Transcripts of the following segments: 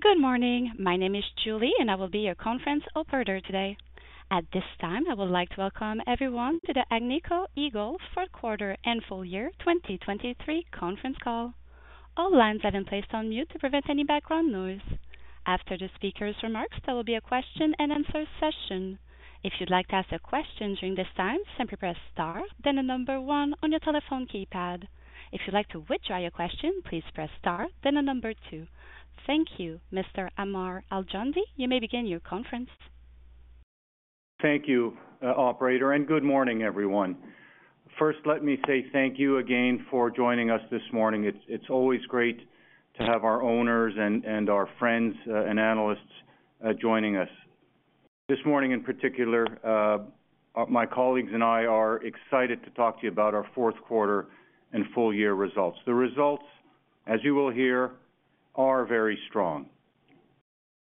Good morning. My name is Julie, and I will be your conference operator today. At this time, I would like to welcome everyone to the Agnico Eagle Fourth Quarter and Full Year 2023 Conference Call. All lines have been placed on mute to prevent any background noise. After the speaker's remarks, there will be a question-and-answer session. If you'd like to ask a question during this time, simply press star, then one on your telephone keypad. If you'd like to withdraw your question, please press star, then two. Thank you, Mr. Ammar Al-Joundi. You may begin your conference. Thank you, Operator, and good morning, everyone. First, let me say thank you again for joining us this morning. It's always great to have our owners and our friends and analysts joining us. This morning in particular, my colleagues and I are excited to talk to you about our fourth quarter and full year results. The results, as you will hear, are very strong.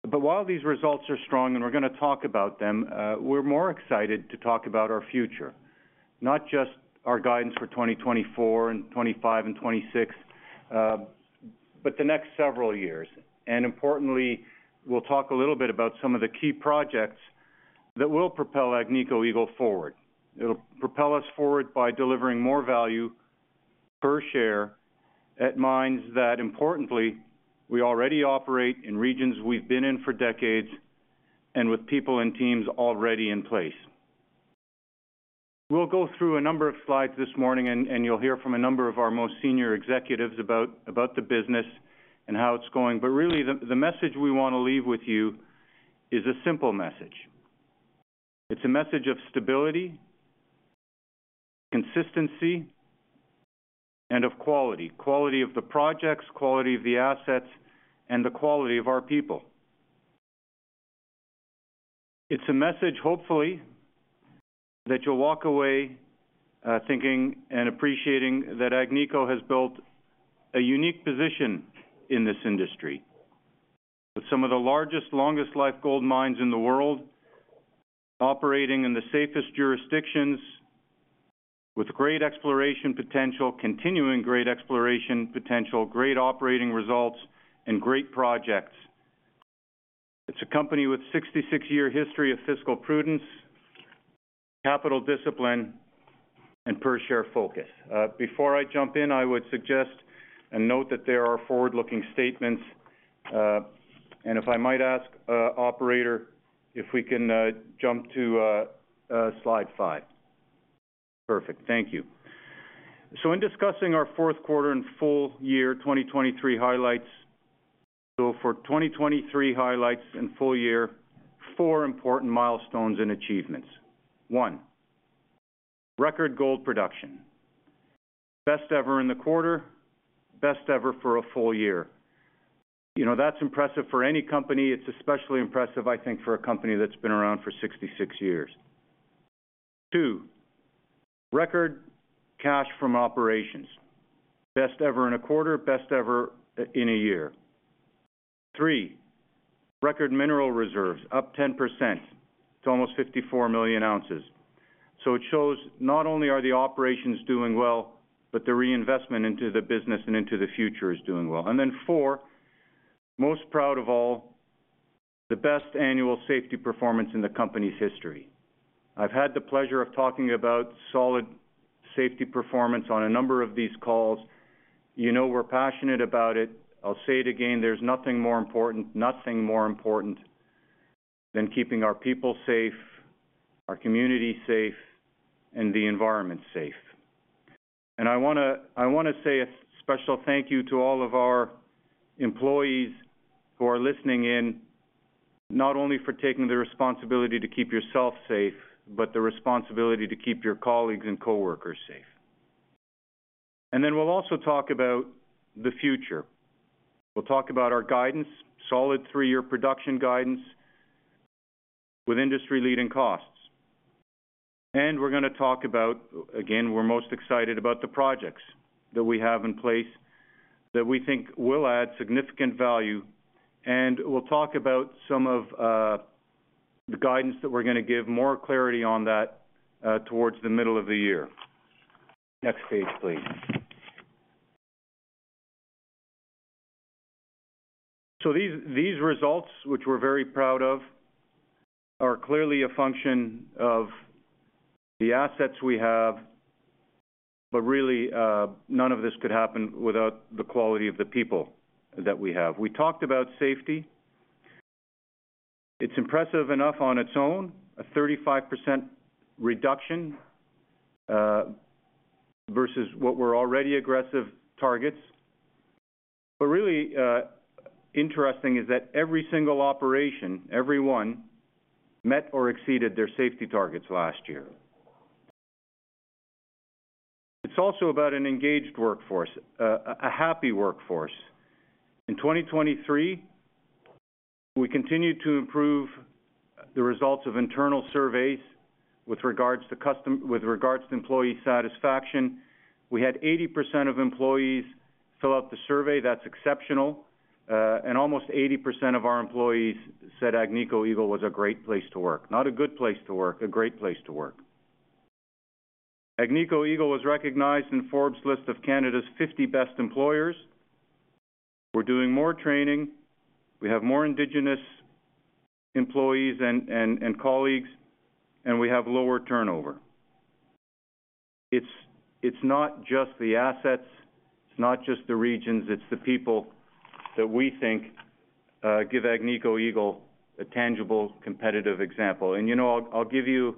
But while these results are strong and we're going to talk about them, we're more excited to talk about our future, not just our guidance for 2024 and 2025 and 2026, but the next several years. Importantly, we'll talk a little bit about some of the key projects that will propel Agnico Eagle forward. It'll propel us forward by delivering more value per share at mines that, importantly, we already operate in regions we've been in for decades and with people and teams already in place. We'll go through a number of slides this morning, and you'll hear from a number of our most senior executives about the business and how it's going. But really, the message we want to leave with you is a simple message. It's a message of stability, consistency, and of quality: quality of the projects, quality of the assets, and the quality of our people. It's a message, hopefully, that you'll walk away thinking and appreciating that Agnico has built a unique position in this industry with some of the largest, longest-life gold mines in the world, operating in the safest jurisdictions, with great exploration potential, continuing great exploration potential, great operating results, and great projects. It's a company with a 66-year history of fiscal prudence, capital discipline, and per-share focus. Before I jump in, I would suggest and note that there are forward-looking statements. If I might ask, Operator, if we can jump to slide five. Perfect. Thank you. In discussing our fourth quarter and full year 2023 highlights, so for 2023 highlights and full year, four important milestones and achievements. One: record gold production, best ever in the quarter, best ever for a full year. You know, that's impressive for any company. It's especially impressive, I think, for a company that's been around for 66 years. Two: record cash from operations, best ever in a quarter, best ever in a year. Three: record mineral reserves, up 10%. It's almost 54 million ounces. So it shows not only are the operations doing well, but the reinvestment into the business and into the future is doing well. And then, fourth, most proud of all, the best annual safety performance in the company's history. I've had the pleasure of talking about solid safety performance on a number of these calls. You know we're passionate about it. I'll say it again. There's nothing more important, nothing more important than keeping our people safe, our community safe, and the environment safe. And I want to say a special thank you to all of our employees who are listening in, not only for taking the responsibility to keep yourself safe, but the responsibility to keep your colleagues and coworkers safe. And then we'll also talk about the future. We'll talk about our guidance, solid three-year production guidance with industry-leading costs. And we're going to talk about, again, we're most excited about the projects that we have in place that we think will add significant value. And we'll talk about some of the guidance that we're going to give, more clarity on that towards the middle of the year. Next page, please. So these results, which we're very proud of, are clearly a function of the assets we have. But really, none of this could happen without the quality of the people that we have. We talked about safety. It's impressive enough on its own, a 35% reduction versus what were already aggressive targets. But really, interesting is that every single operation, every one, met or exceeded their safety targets last year. It's also about an engaged workforce, a happy workforce. In 2023, we continued to improve the results of internal surveys with regards to culture with regards to employee satisfaction. We had 80% of employees fill out the survey. That's exceptional. Almost 80% of our employees said Agnico Eagle was a great place to work, not a good place to work, a great place to work. Agnico Eagle was recognized in Forbes list of Canada's 50 Best Employers. We're doing more training. We have more indigenous employees and colleagues. We have lower turnover. It's not just the assets. It's not just the regions. It's the people that we think give Agnico Eagle a tangible, competitive example. You know, I'll give you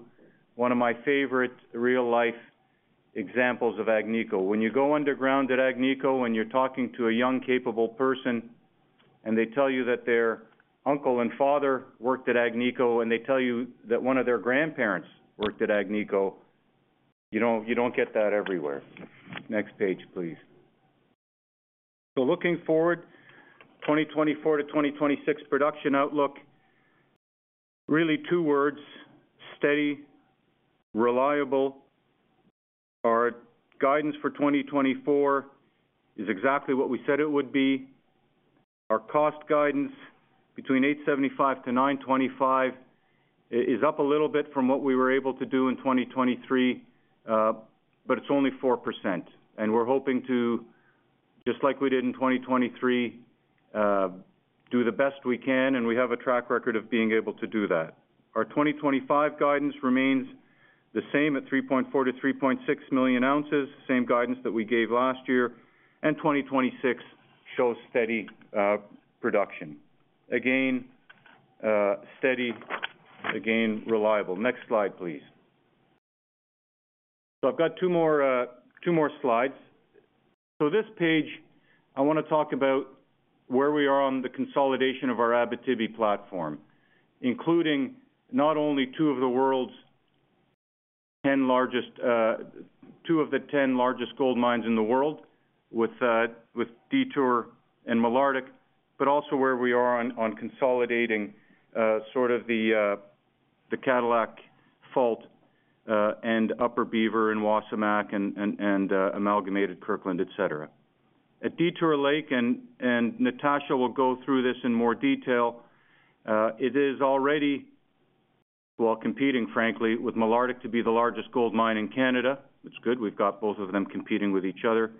one of my favorite real-life examples of Agnico. When you go underground at Agnico and you're talking to a young, capable person, and they tell you that their uncle and father worked at Agnico, and they tell you that one of their grandparents worked at Agnico, you don't get that everywhere. Next page, please. Looking forward, 2024-2026 production outlook, really two words: steady, reliable. Our guidance for 2024 is exactly what we said it would be. Our cost guidance between $875 and $925 is up a little bit from what we were able to do in 2023, but it's only 4%. We're hoping to, just like we did in 2023, do the best we can. We have a track record of being able to do that. Our 2025 guidance remains the same at 3.4-3.6 million ounces, same guidance that we gave last year. 2026 shows steady production, again, steady, again, reliable. Next slide, please. So I've got two more slides. So this page, I want to talk about where we are on the consolidation of our Abitibi platform, including not only two of the world's 10 largest two of the 10 largest gold mines in the world with Detour and Malartic, but also where we are on consolidating sort of the Cadillac Fault and Upper Beaver and Wasamac and Amalgamated Kirkland, et cetera. At Detour Lake and Natasha will go through this in more detail. It is already while competing, frankly, with Malartic to be the largest gold mine in Canada. It's good. We've got both of them competing with each other.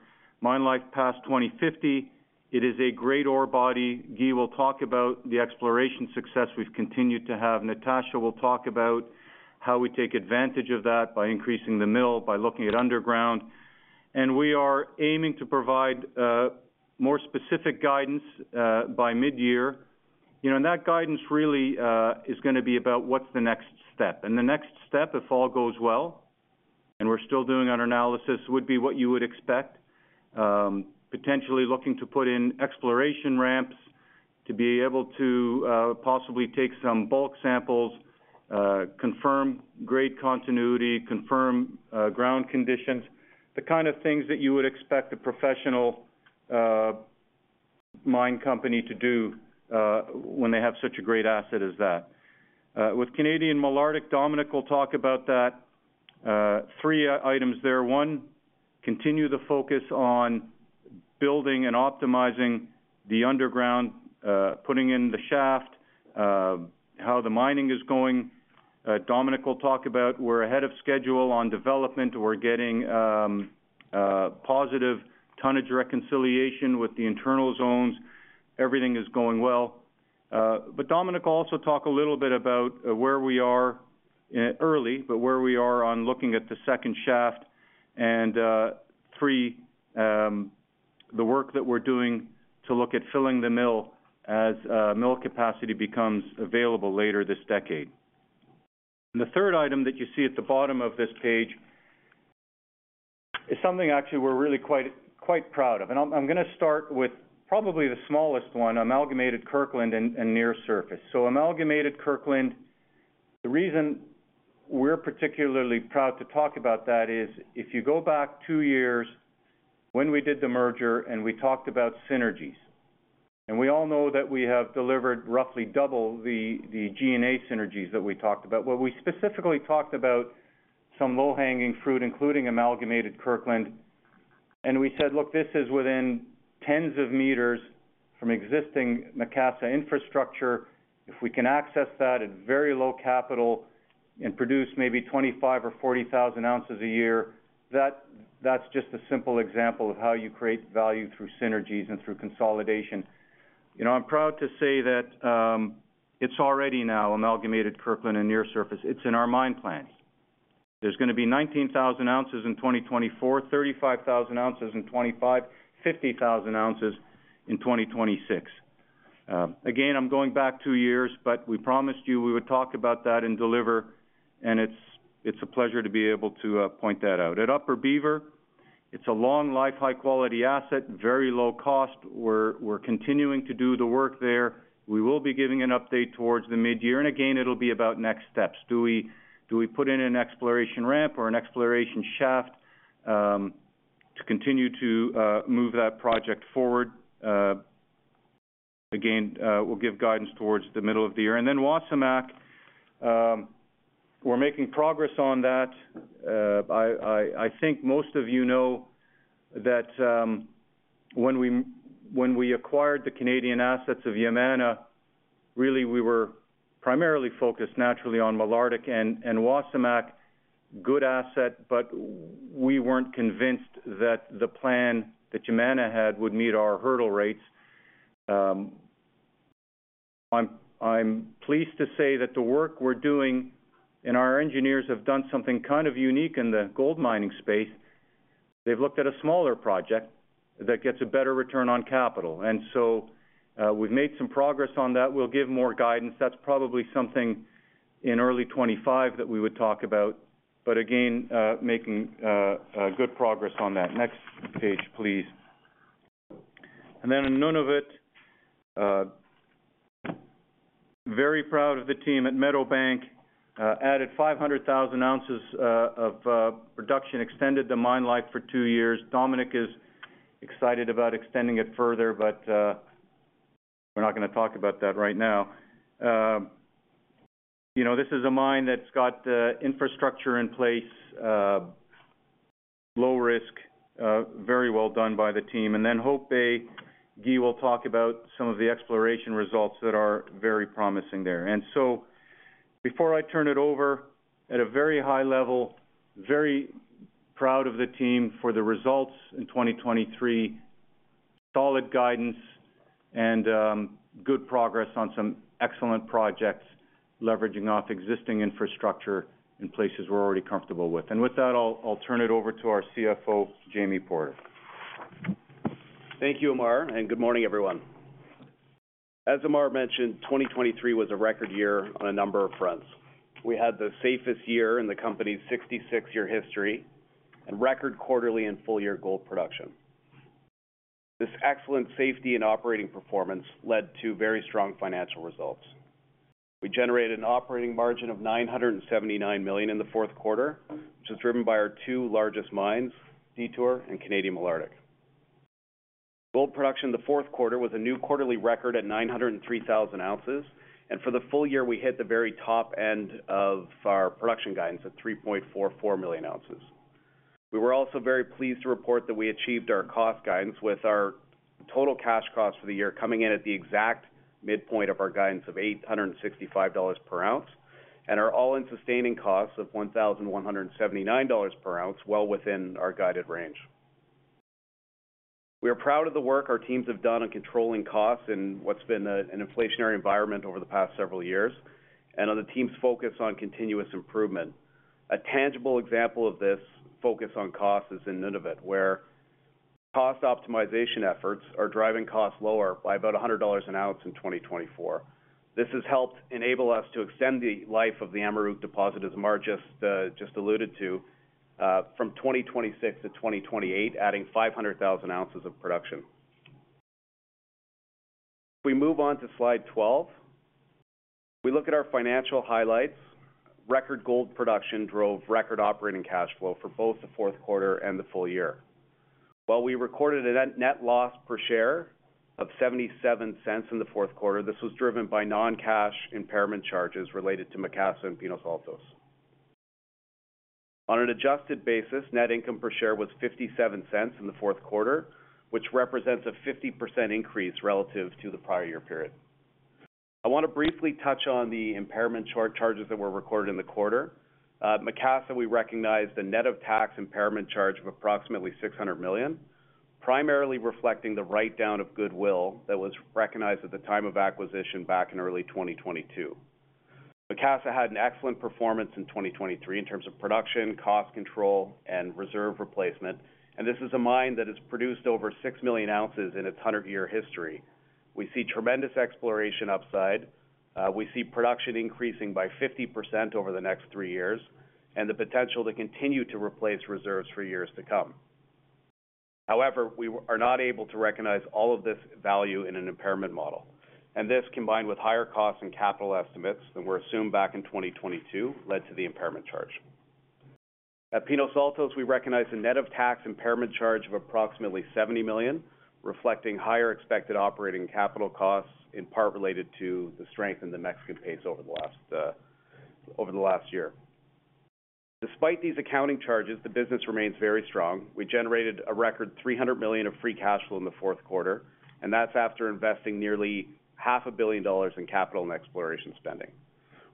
Mine life past 2050, it is a great ore body. Guy will talk about the exploration success we've continued to have. Natasha will talk about how we take advantage of that by increasing the mill, by looking at underground. We are aiming to provide more specific guidance by mid-year. You know, and that guidance really is going to be about what's the next step. The next step, if all goes well, and we're still doing our analysis, would be what you would expect, potentially looking to put in exploration ramps to be able to possibly take some bulk samples, confirm grade continuity, confirm ground conditions, the kind of things that you would expect a professional mine company to do when they have such a great asset as that. With Canadian Malartic, Dominique will talk about that. Three items there. One, continue the focus on building and optimizing the underground, putting in the shaft, how the mining is going. Dominique will talk about we're ahead of schedule on development. We're getting positive tonnage reconciliation with the Internal Zones. Everything is going well. Dominique will also talk a little bit about where we are early, but where we are on looking at the second shaft and three, the work that we're doing to look at filling the mill as mill capacity becomes available later this decade. And the third item that you see at the bottom of this page is something, actually, we're really quite proud of. And I'm going to start with probably the smallest one, Amalgamated Kirkland and Near Surface. So Amalgamated Kirkland, the reason we're particularly proud to talk about that is if you go back two years when we did the merger and we talked about synergies. And we all know that we have delivered roughly double the G&A synergies that we talked about. Well, we specifically talked about some low-hanging fruit, including Amalgamated Kirkland. And we said, look, this is within tens of meters from existing Macassa infrastructure. If we can access that at very low capital and produce maybe 25,000 or 40,000 ounces a year, that's just a simple example of how you create value through synergies and through consolidation. You know, I'm proud to say that it's already now, Amalgamated Kirkland and Near Surface. It's in our mine plans. There's going to be 19,000 ounces in 2024, 35,000 ounces in 2025, 50,000 ounces in 2026. Again, I'm going back two years, but we promised you we would talk about that and deliver. And it's a pleasure to be able to point that out. At Upper Beaver, it's a long-life, high-quality asset, very low cost. We're continuing to do the work there. We will be giving an update towards the mid-year. And again, it'll be about next steps. Do we put in an exploration ramp or an exploration shaft to continue to move that project forward? Again, we'll give guidance towards the middle of the year. And then Wasamac, we're making progress on that. I think most of you know that when we acquired the Canadian assets of Yamana, really, we were primarily focused, naturally, on Malartic and Wasamac, good asset. But we weren't convinced that the plan that Yamana had would meet our hurdle rates. I'm pleased to say that the work we're doing and our engineers have done something kind of unique in the gold mining space. They've looked at a smaller project that gets a better return on capital. And so we've made some progress on that. We'll give more guidance. That's probably something in early 2025 that we would talk about. But again, making good progress on that. Next page, please. Then in Nunavut, very proud of the team at Meadowbank, added 500,000 ounces of production, extended the mine life for two years. Dominique is excited about extending it further. But we're not going to talk about that right now. You know, this is a mine that's got infrastructure in place, low risk, very well done by the team. And then Hope Bay, Guy will talk about some of the exploration results that are very promising there. And so before I turn it over, at a very high level, very proud of the team for the results in 2023, solid guidance, and good progress on some excellent projects leveraging off existing infrastructure in places we're already comfortable with. And with that, I'll turn it over to our CFO, Jamie Porter. Thank you, Ammar. And good morning, everyone. As Ammar mentioned, 2023 was a record year on a number of fronts. We had the safest year in the company's 66-year history and record quarterly and full-year gold production. This excellent safety and operating performance led to very strong financial results. We generated an operating margin of $979 million in the fourth quarter, which was driven by our two largest mines, Detour and Canadian Malartic. Gold production the fourth quarter was a new quarterly record at 903,000 ounces. For the full year, we hit the very top end of our production guidance at 3.44 million ounces. We were also very pleased to report that we achieved our cost guidance, with our total cash costs for the year coming in at the exact midpoint of our guidance of $865 per ounce and our all-in sustaining costs of $1,179 per ounce, well within our guided range. We are proud of the work our teams have done on controlling costs in what's been an inflationary environment over the past several years and on the team's focus on continuous improvement. A tangible example of this focus on costs is in Nunavut, where cost optimization efforts are driving costs lower by about $100 an ounce in 2024. This has helped enable us to extend the life of the Amaruq deposit as Ammar just alluded to, from 2026-2028, adding 500,000 ounces of production. If we move on to slide 12, we look at our financial highlights. Record gold production drove record operating cash flow for both the fourth quarter and the full year. While we recorded a net loss per share of $0.77 in the fourth quarter, this was driven by non-cash impairment charges related to Macassa and Pinos Altos. On an adjusted basis, net income per share was $0.57 in the fourth quarter, which represents a 50% increase relative to the prior year period. I want to briefly touch on the impairment charges that were recorded in the quarter. Macassa, we recognized a net of tax impairment charge of approximately $600 million, primarily reflecting the write-down of goodwill that was recognized at the time of acquisition back in early 2022. Macassa had an excellent performance in 2023 in terms of production, cost control, and reserve replacement. This is a mine that has produced over 6 million ounces in its 100-year history. We see tremendous exploration upside. We see production increasing by 50% over the next three years and the potential to continue to replace reserves for years to come. However, we are not able to recognize all of this value in an impairment model. This, combined with higher costs and capital estimates than were assumed back in 2022, led to the impairment charge. At Pinos Altos, we recognize a net of tax impairment charge of approximately $70 million, reflecting higher expected operating capital costs in part related to the strength in the Mexican peso over the last year. Despite these accounting charges, the business remains very strong. We generated a record $300 million of free cash flow in the fourth quarter. And that's after investing nearly $500 million in capital and exploration spending.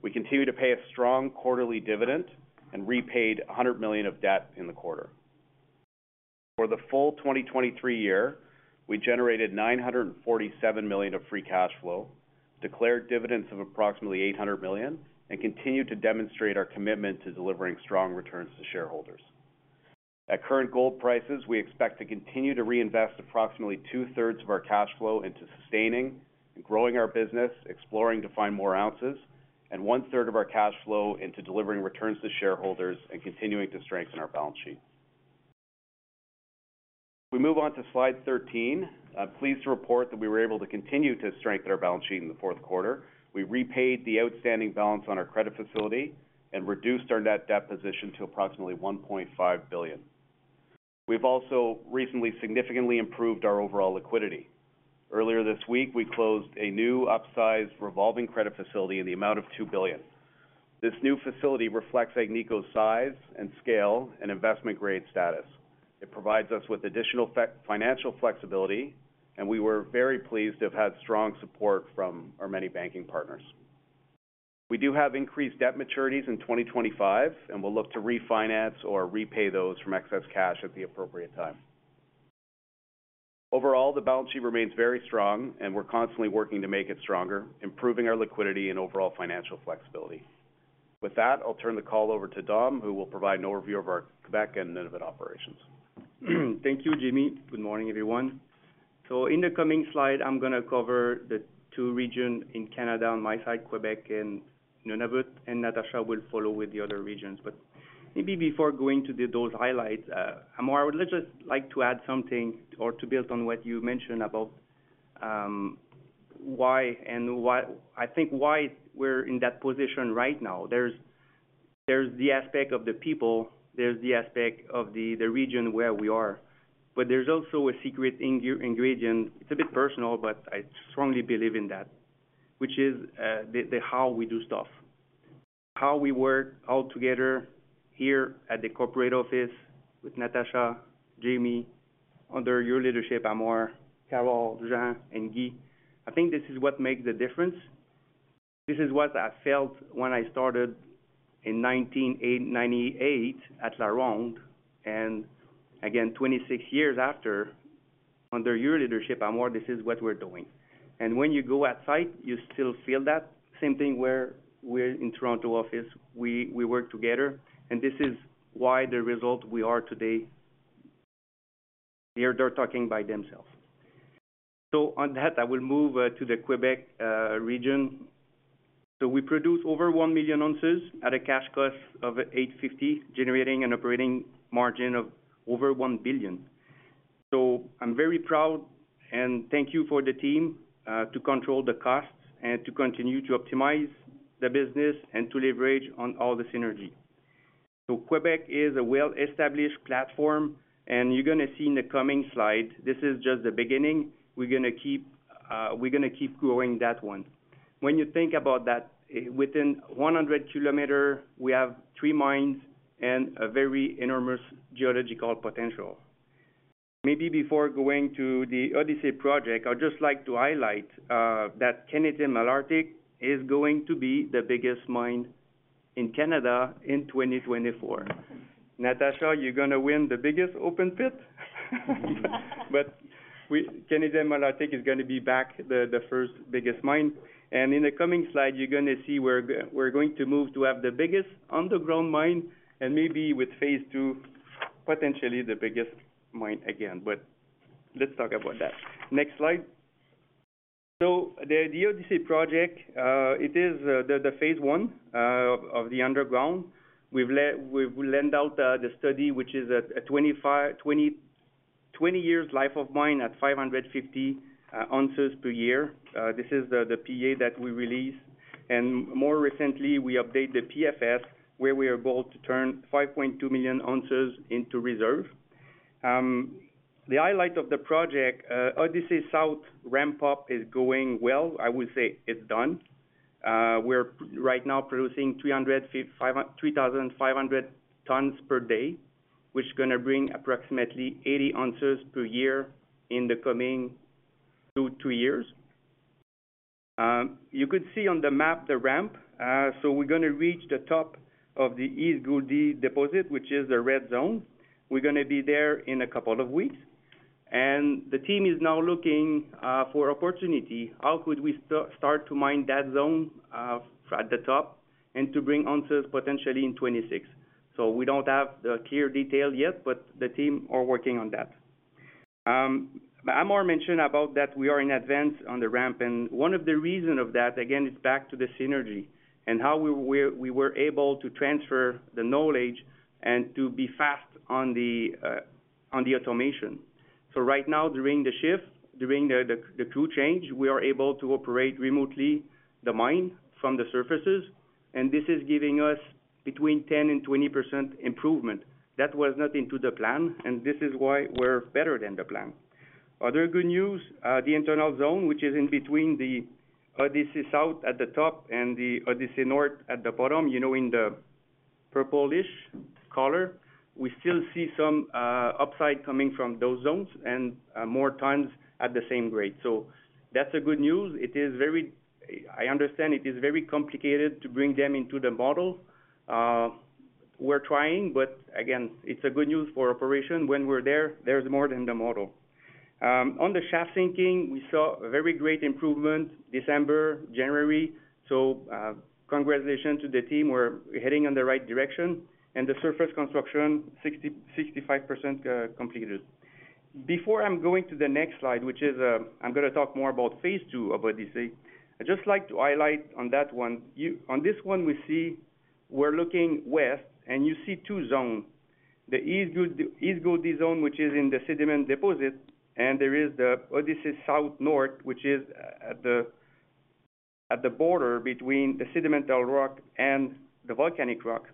We continue to pay a strong quarterly dividend and repaid $100 million of debt in the quarter. For the full 2023 year, we generated $947 million of free cash flow, declared dividends of approximately $800 million, and continue to demonstrate our commitment to delivering strong returns to shareholders. At current gold prices, we expect to continue to reinvest approximately two-thirds of our cash flow into sustaining and growing our business, exploring to find more ounces, and one-third of our cash flow into delivering returns to shareholders and continuing to strengthen our balance sheet. If we move on to slide 13, I'm pleased to report that we were able to continue to strengthen our balance sheet in the fourth quarter. We repaid the outstanding balance on our credit facility and reduced our net debt position to approximately $1.5 billion. We've also recently significantly improved our overall liquidity. Earlier this week, we closed a new upsized revolving credit facility in the amount of $2 billion. This new facility reflects Agnico's size and scale and investment-grade status. It provides us with additional financial flexibility. We were very pleased to have had strong support from our many banking partners. We do have increased debt maturities in 2025. We'll look to refinance or repay those from excess cash at the appropriate time. Overall, the balance sheet remains very strong. We're constantly working to make it stronger, improving our liquidity and overall financial flexibility. With that, I'll turn the call over to Dom, who will provide an overview of our Quebec and Nunavut operations. Thank you, Jamie. Good morning, everyone. In the coming slide, I'm going to cover the two regions in Canada on my side, Quebec and Nunavut. Natasha will follow with the other regions. Maybe before going to those highlights, Ammar, I would just like to add something or to build on what you mentioned about why and I think why we're in that position right now. There's the aspect of the people. There's the aspect of the region where we are. But there's also a secret ingredient. It's a bit personal, but I strongly believe in that, which is the how we do stuff, how we work all together here at the corporate office with Natasha, Jamie, under your leadership, Ammar, Carol, Jean, and Guy. I think this is what makes the difference. This is what I felt when I started in 1998 at LaRonde. Again, 26 years after, under your leadership, Ammar, this is what we're doing. When you go outside, you still feel that same thing where we're in Toronto office. We work together. This is why the result we are today. They're talking by themselves. On that, I will move to the Quebec region. We produce over 1 million ounces at a cash cost of $850, generating an operating margin of over $1 billion. I'm very proud. Thank you for the team to control the costs and to continue to optimize the business and to leverage on all the synergy. So Quebec is a well-established platform. And you're going to see in the coming slide, this is just the beginning. We're going to keep growing that one. When you think about that, within 100 km, we have three mines and a very enormous geological potential. Maybe before going to the Odyssey Project, I'd just like to highlight that Canadian Malartic is going to be the biggest mine in Canada in 2024. Natasha, you're going to win the biggest open pit. But Canadian Malartic is going to be the biggest mine. And in the coming slide, you're going to see we're going to move to have the biggest underground mine and maybe, with phase II, potentially the biggest mine again. But let's talk about that. Next slide. So the Odyssey Project, it is the phase one of the underground. We've laid out the study, which is a 20-year life of mine at 550 ounces per year. This is the PEA that we release. And more recently, we update the PFS, where we are about to turn 5.2 million ounces into reserve. The highlight of the project, Odyssey South ramp-up is going well. I would say it's done. We're right now producing 3,500 tons per day, which is going to bring approximately 80 ounces per year in the coming two years. You could see on the map the ramp. So we're going to reach the top of the East Gouldie deposit, which is the red zone. We're going to be there in a couple of weeks. And the team is now looking for opportunity. How could we start to mine that zone at the top and to bring ounces potentially in 2026? We don't have the clear detail yet. But the team are working on that. Ammar mentioned about that we are in advance on the ramp. And one of the reasons of that, again, is back to the synergy and how we were able to transfer the knowledge and to be fast on the automation. So right now, during the shift, during the crew change, we are able to operate remotely the mine from the surfaces. And this is giving us between 10% and 20% improvement. That was not into the plan. And this is why we're better than the plan. Other good news, the Internal Zones, which is in between the Odyssey South at the top and the Odyssey North at the bottom, you know in the purplish color, we still see some upside coming from those zones and more times at the same grade. So that's a good news. I understand it is very complicated to bring them into the model. We're trying. But again, it's a good news for operation. When we're there, there's more than the model. On the shaft sinking, we saw a very great improvement December, January. So congratulations to the team. We're heading in the right direction. And the surface construction, 65% completed. Before I'm going to the next slide, which is I'm going to talk more about phase II of Odyssey, I'd just like to highlight on that one. On this one, we see we're looking west. You see two zones, the East Gouldie Zone, which is in the sedimentary deposit. There is the Odyssey South North, which is at the border between the sedimentary rock and the volcanic rock.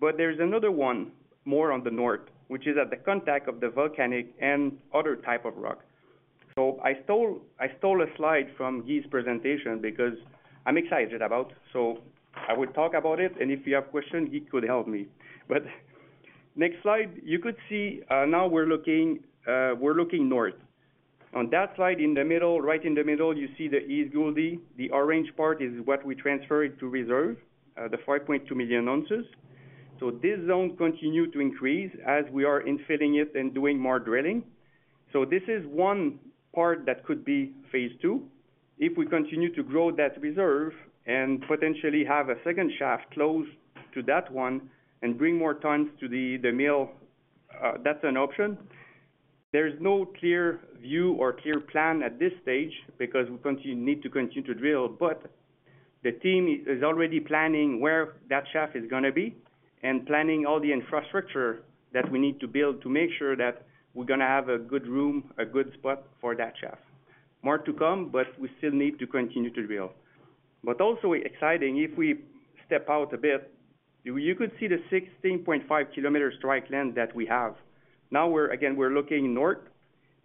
But there is another one, more on the north, which is at the contact of the volcanic and other type of rock. I stole a slide from Guy's presentation because I'm excited about it. I would talk about it. And if you have questions, Guy could help me. Next slide, you could see now we're looking north. On that slide, in the middle, right in the middle, you see the East Gouldie. The orange part is what we transferred to reserve, the 5.2 million ounces. This zone continues to increase as we are infilling it and doing more drilling. This is one part that could be phase II. If we continue to grow that reserve and potentially have a second shaft close to that one and bring more times to the mill, that's an option. There is no clear view or clear plan at this stage because we need to continue to drill. But the team is already planning where that shaft is going to be and planning all the infrastructure that we need to build to make sure that we're going to have a good room, a good spot for that shaft. More to come. But we still need to continue to drill. But also exciting, if we step out a bit, you could see the 16.5 km strike length that we have. Now, again, we're looking north.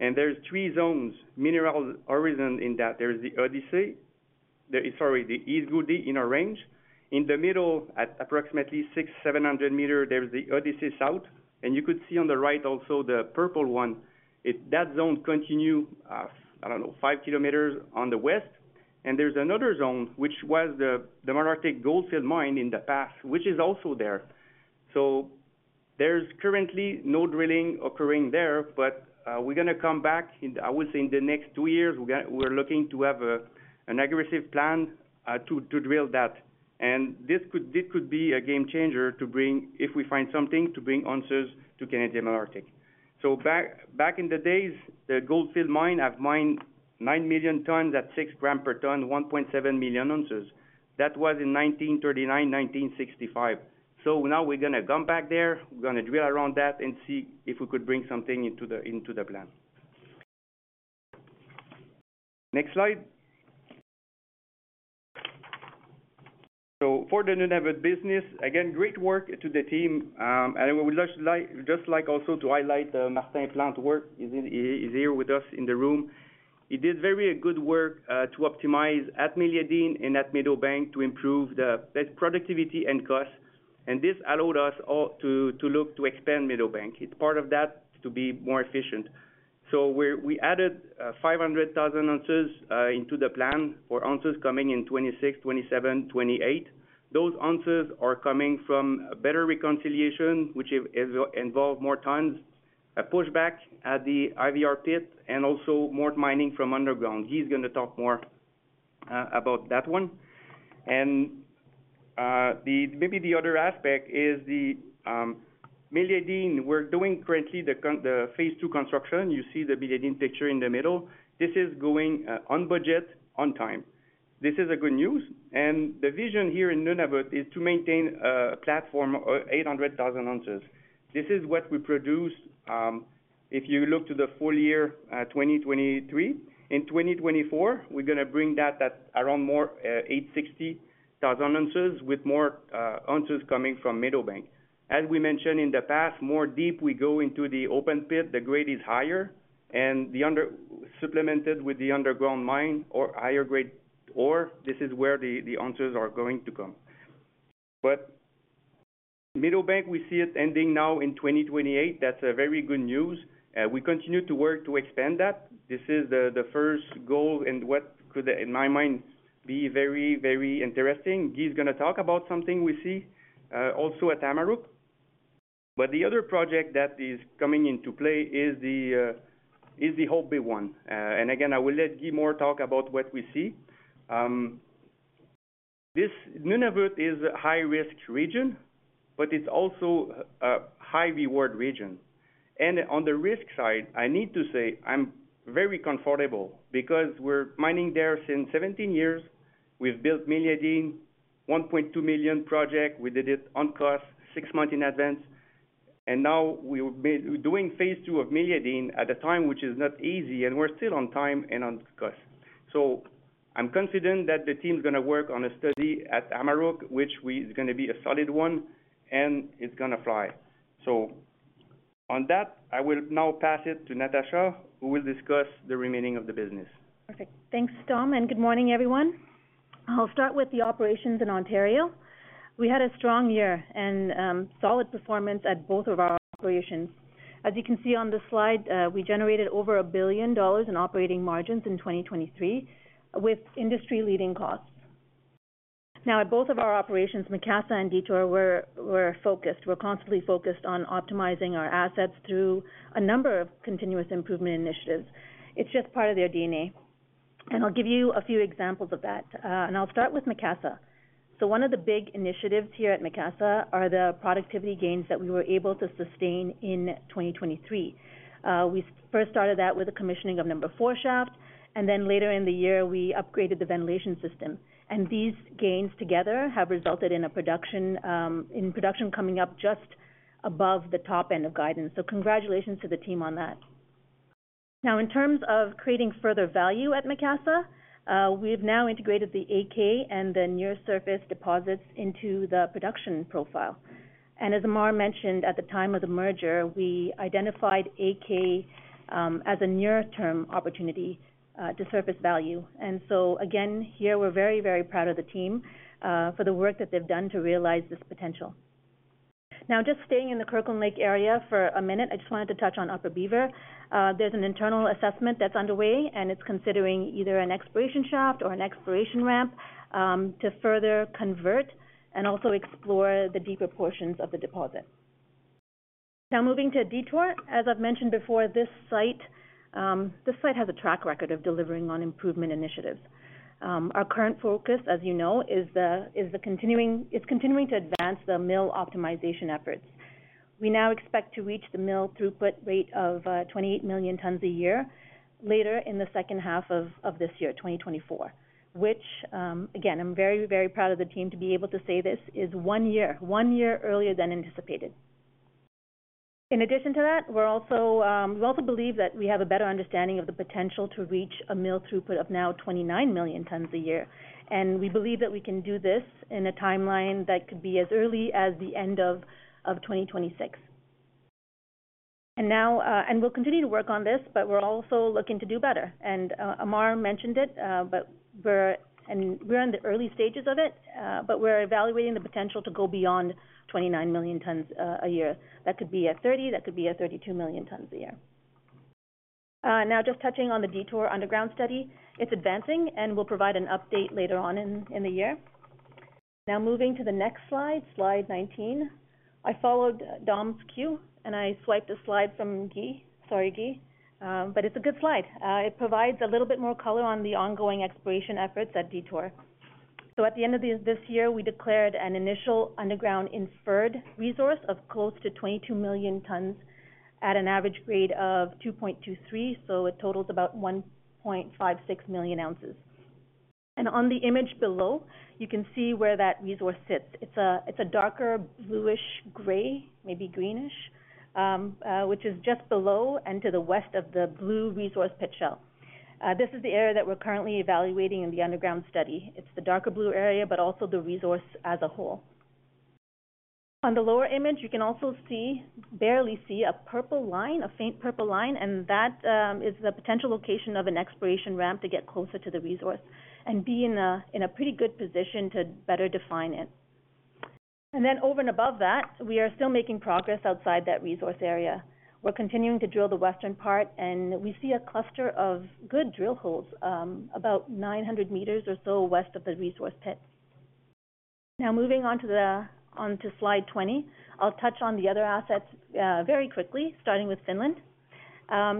And there's three zones, mineral horizon in that. There's the Odyssey—sorry, the East Gouldie in orange. In the middle, at approximately 600-700 m, there's the Odyssey South. You could see on the right also the purple one. That zone continues, I don't know, 5 km on the west. There's another zone, which was the Malartic Goldfields mine in the past, which is also there. Currently no drilling is occurring there. But we're going to come back, I would say, in the next two years. We're looking to have an aggressive plan to drill that. This could be a game changer if we find something to bring ounces to Canadian Malartic. Back in the days, the Goldfields mine have mined 9 million tons at 6 grams per ton, 1.7 million ounces. That was in 1939, 1965. Now we're going to come back there. We're going to drill around that and see if we could bring something into the plan. Next slide. For the Nunavut business, again, great work to the team. I would just like also to highlight Martin Plante's work. He's here with us in the room. He did very good work to optimize at Meliadine and at Meadowbank to improve the productivity and costs. This allowed us to look to expand Meadowbank. It's part of that to be more efficient. So we added 500,000 ounces into the plan for ounces coming in 2026, 2027, 2028. Those ounces are coming from better reconciliation, which involves more tonnes, a pushback at the IVR pit, and also more mining from underground. Guy's going to talk more about that one. And maybe the other aspect is the Meliadine, we're doing currently the phase two construction. You see the Meliadine picture in the middle. This is going on budget, on time. This is good news. The vision here in Nunavut is to maintain a platform of 800,000 ounces. This is what we produced if you look to the full year 2023. In 2024, we're going to bring that around more 860,000 ounces with more ounces coming from Meadowbank. As we mentioned in the past, more deep we go into the open pit, the grade is higher. And supplemented with the underground mine or higher grade ore, this is where the ounces are going to come. But Meadowbank, we see it ending now in 2028. That's very good news. We continue to work to expand that. This is the first goal and what could, in my mind, be very, very interesting. Guy's going to talk about something we see also at Amaruq. But the other project that is coming into play is the Hope Bay one. And again, I will let Guy more talk about what we see. Nunavut is a high-risk region. But it's also a high-reward region. On the risk side, I need to say I'm very comfortable because we're mining there since 17 years. We've built Meliadine, $1.2 million project. We did it on cost, six months in advance. Now we're doing phase II of Meliadine at a time which is not easy. We're still on time and on cost. So I'm confident that the team's going to work on a study at Amaruq, which is going to be a solid one. It's going to fly. So on that, I will now pass it to Natasha, who will discuss the remainder of the business. Perfect. Thanks, Dom. Good morning, everyone. I'll start with the operations in Ontario. We had a strong year and solid performance at both of our operations. As you can see on the slide, we generated over $1 billion in operating margins in 2023 with industry-leading costs. Now, at both of our operations, Macassa and Detour, we're focused. We're constantly focused on optimizing our assets through a number of continuous improvement initiatives. It's just part of their D&A. I'll give you a few examples of that. I'll start with Macassa. One of the big initiatives here at Macassa is the productivity gains that we were able to sustain in 2023. We first started that with the commissioning of number four shaft. Then later in the year, we upgraded the ventilation system. These gains together have resulted in production coming up just above the top end of guidance. Congratulations to the team on that. Now, in terms of creating further value at Macassa, we've now integrated the AK and the Near Surface deposits into the production profile. And as Ammar mentioned at the time of the merger, we identified AK as a near-term opportunity to surface value. And so again, here, we're very, very proud of the team for the work that they've done to realize this potential. Now, just staying in the Kirkland Lake area for a minute, I just wanted to touch on Upper Beaver. There's an internal assessment that's underway. And it's considering either an exploration shaft or an exploration ramp to further convert and also explore the deeper portions of the deposit. Now, moving to Detour, as I've mentioned before, this site has a track record of delivering on improvement initiatives. Our current focus, as you know, is continuing to advance the mill optimization efforts. We now expect to reach the mill throughput rate of 28 million tons a year later in the second half of this year, 2024, which, again, I'm very, very proud of the team to be able to say this is one year, one year earlier than anticipated. In addition to that, we also believe that we have a better understanding of the potential to reach a mill throughput of now 29 million tons a year. And we believe that we can do this in a timeline that could be as early as the end of 2026. And we'll continue to work on this. But we're also looking to do better. And Ammar mentioned it. And we're in the early stages of it. But we're evaluating the potential to go beyond 29 million tons a year. That could be at 30. That could be at 32 million tons a year. Now, just touching on the Detour underground study, it's advancing. We'll provide an update later on in the year. Now, moving to the next slide, slide 19, I followed Dom's cue. I swiped a slide from Guy, sorry, Guy. It's a good slide. It provides a little bit more color on the ongoing exploration efforts at Detour. At the end of this year, we declared an initial underground inferred resource of close to 22 million tons at an average grade of 2.23. It totals about 1.56 million ounces. On the image below, you can see where that resource sits. It's a darker bluish gray, maybe greenish, which is just below and to the west of the blue resource pit shell. This is the area that we're currently evaluating in the underground study. It's the darker blue area but also the resource as a whole. On the lower image, you can also barely see a purple line, a faint purple line. That is the potential location of an exploration ramp to get closer to the resource and be in a pretty good position to better define it. Then over and above that, we are still making progress outside that resource area. We're continuing to drill the western part. We see a cluster of good drill holes about 900 m or so west of the resource pit. Now, moving on to slide 20, I'll touch on the other assets very quickly, starting with Finland.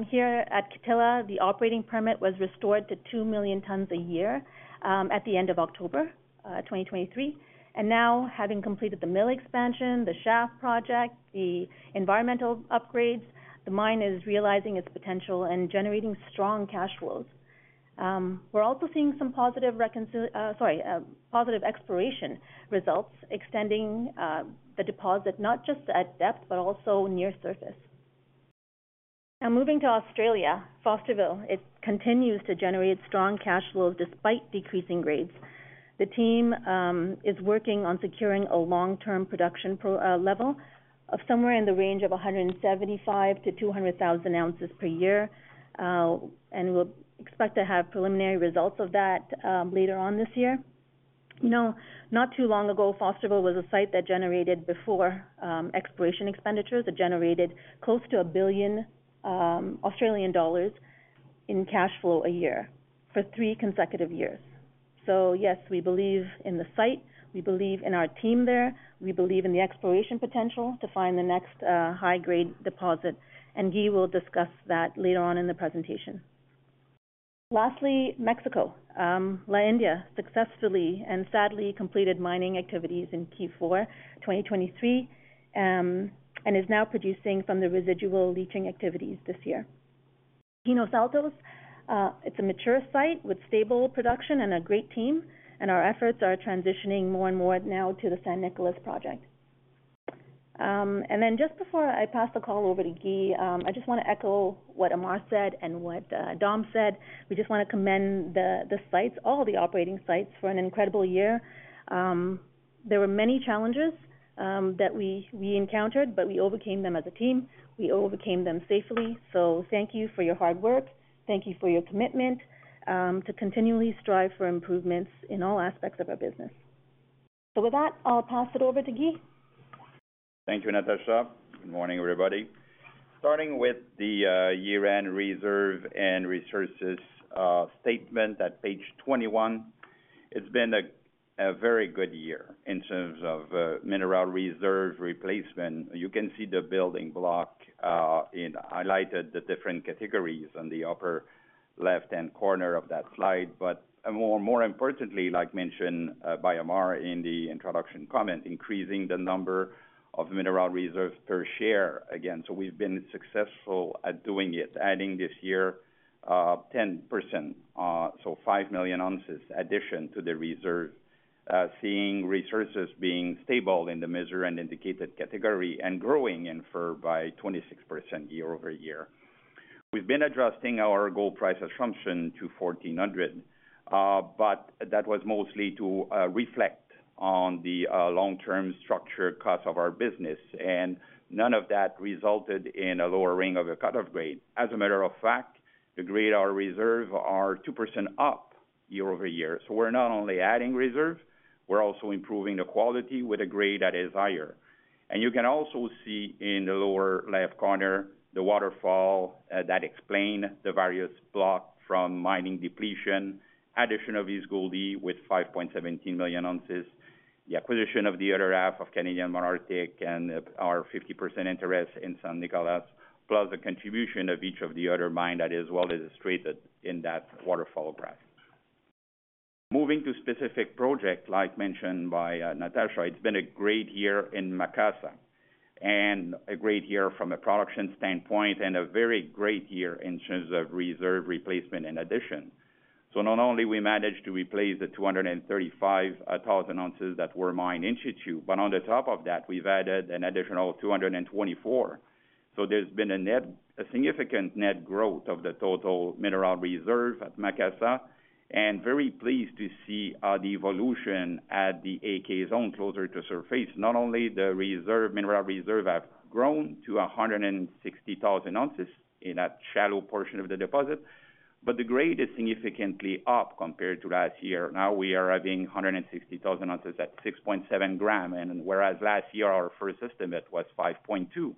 Here at Kittilä, the operating permit was restored to 2 million tons a year at the end of October 2023. Now, having completed the mill expansion, the shaft project, the environmental upgrades, the mine is realizing its potential and generating strong cash flows. We're also seeing some positive exploration results extending the deposit not just at depth but also near surface. Now, moving to Australia, Fosterville, it continues to generate strong cash flows despite decreasing grades. The team is working on securing a long-term production level of somewhere in the range of 175,000-200,000 ounces per year. And we'll expect to have preliminary results of that later on this year. Not too long ago, Fosterville was a site that generated before exploration expenditures that generated close to 1 billion Australian dollars in cash flow a year for three consecutive years. So yes, we believe in the site. We believe in our team there. We believe in the exploration potential to find the next high-grade deposit. And Guy will discuss that later on in the presentation. Lastly, Mexico, La India, successfully and sadly completed mining activities in Q4 2023 and is now producing from the residual leaching activities this year. Pinos Altos, it's a mature site with stable production and a great team. And our efforts are transitioning more and more now to the San Nicolás project. And then just before I pass the call over to Guy, I just want to echo what Ammar said and what Dom said. We just want to commend the sites, all the operating sites, for an incredible year. There were many challenges that we encountered. But we overcame them as a team. We overcame them safely. So thank you for your hard work. Thank you for your commitment to continually strive for improvements in all aspects of our business. So with that, I'll pass it over to Guy. Thank you, Natasha. Good morning, everybody. Starting with the year-end reserve and resources statement at page 21, it's been a very good year in terms of mineral reserve replacement. You can see the building block in highlighted the different categories on the upper left-hand corner of that slide. But more importantly, like mentioned by Ammar in the introduction comment, increasing the number of mineral reserves per share again. So we've been successful at doing it, adding this year 10%, so 5 million ounces addition to the reserve, seeing resources being stable in the measured and indicated category, and growing inferred by 26% year-over-year. We've been adjusting our gold price assumption to $1,400. But that was mostly to reflect on the long-term structural cost of our business. And none of that resulted in a lowering of the cut-off grade. As a matter of fact, the grade our reserve are 2% up year-over-year. So we're not only adding reserve. We're also improving the quality with a grade that is higher. And you can also see in the lower left corner the waterfall that explain the various block from mining depletion, addition of East Gouldie with 5.17 million ounces, the acquisition of the other half of Canadian Malartic and our 50% interest in San Nicolás, plus the contribution of each of the other mine that is well illustrated in that waterfall graph. Moving to specific project, like mentioned by Natasha, it's been a great year in Macassa and a great year from a production standpoint and a very great year in terms of reserve replacement and addition. So not only we managed to replace the 235,000 ounces that were mined in situ, but on the top of that, we've added an additional 224. So there's been a significant net growth of the total mineral reserve at Macassa. Very pleased to see the evolution at the AK Zone closer to surface. Not only the mineral reserve have grown to 160,000 ounces in that shallow portion of the deposit, but the grade is significantly up compared to last year. Now, we are having 160,000 ounces at 6.7 gram, whereas last year, our first estimate was 5.2.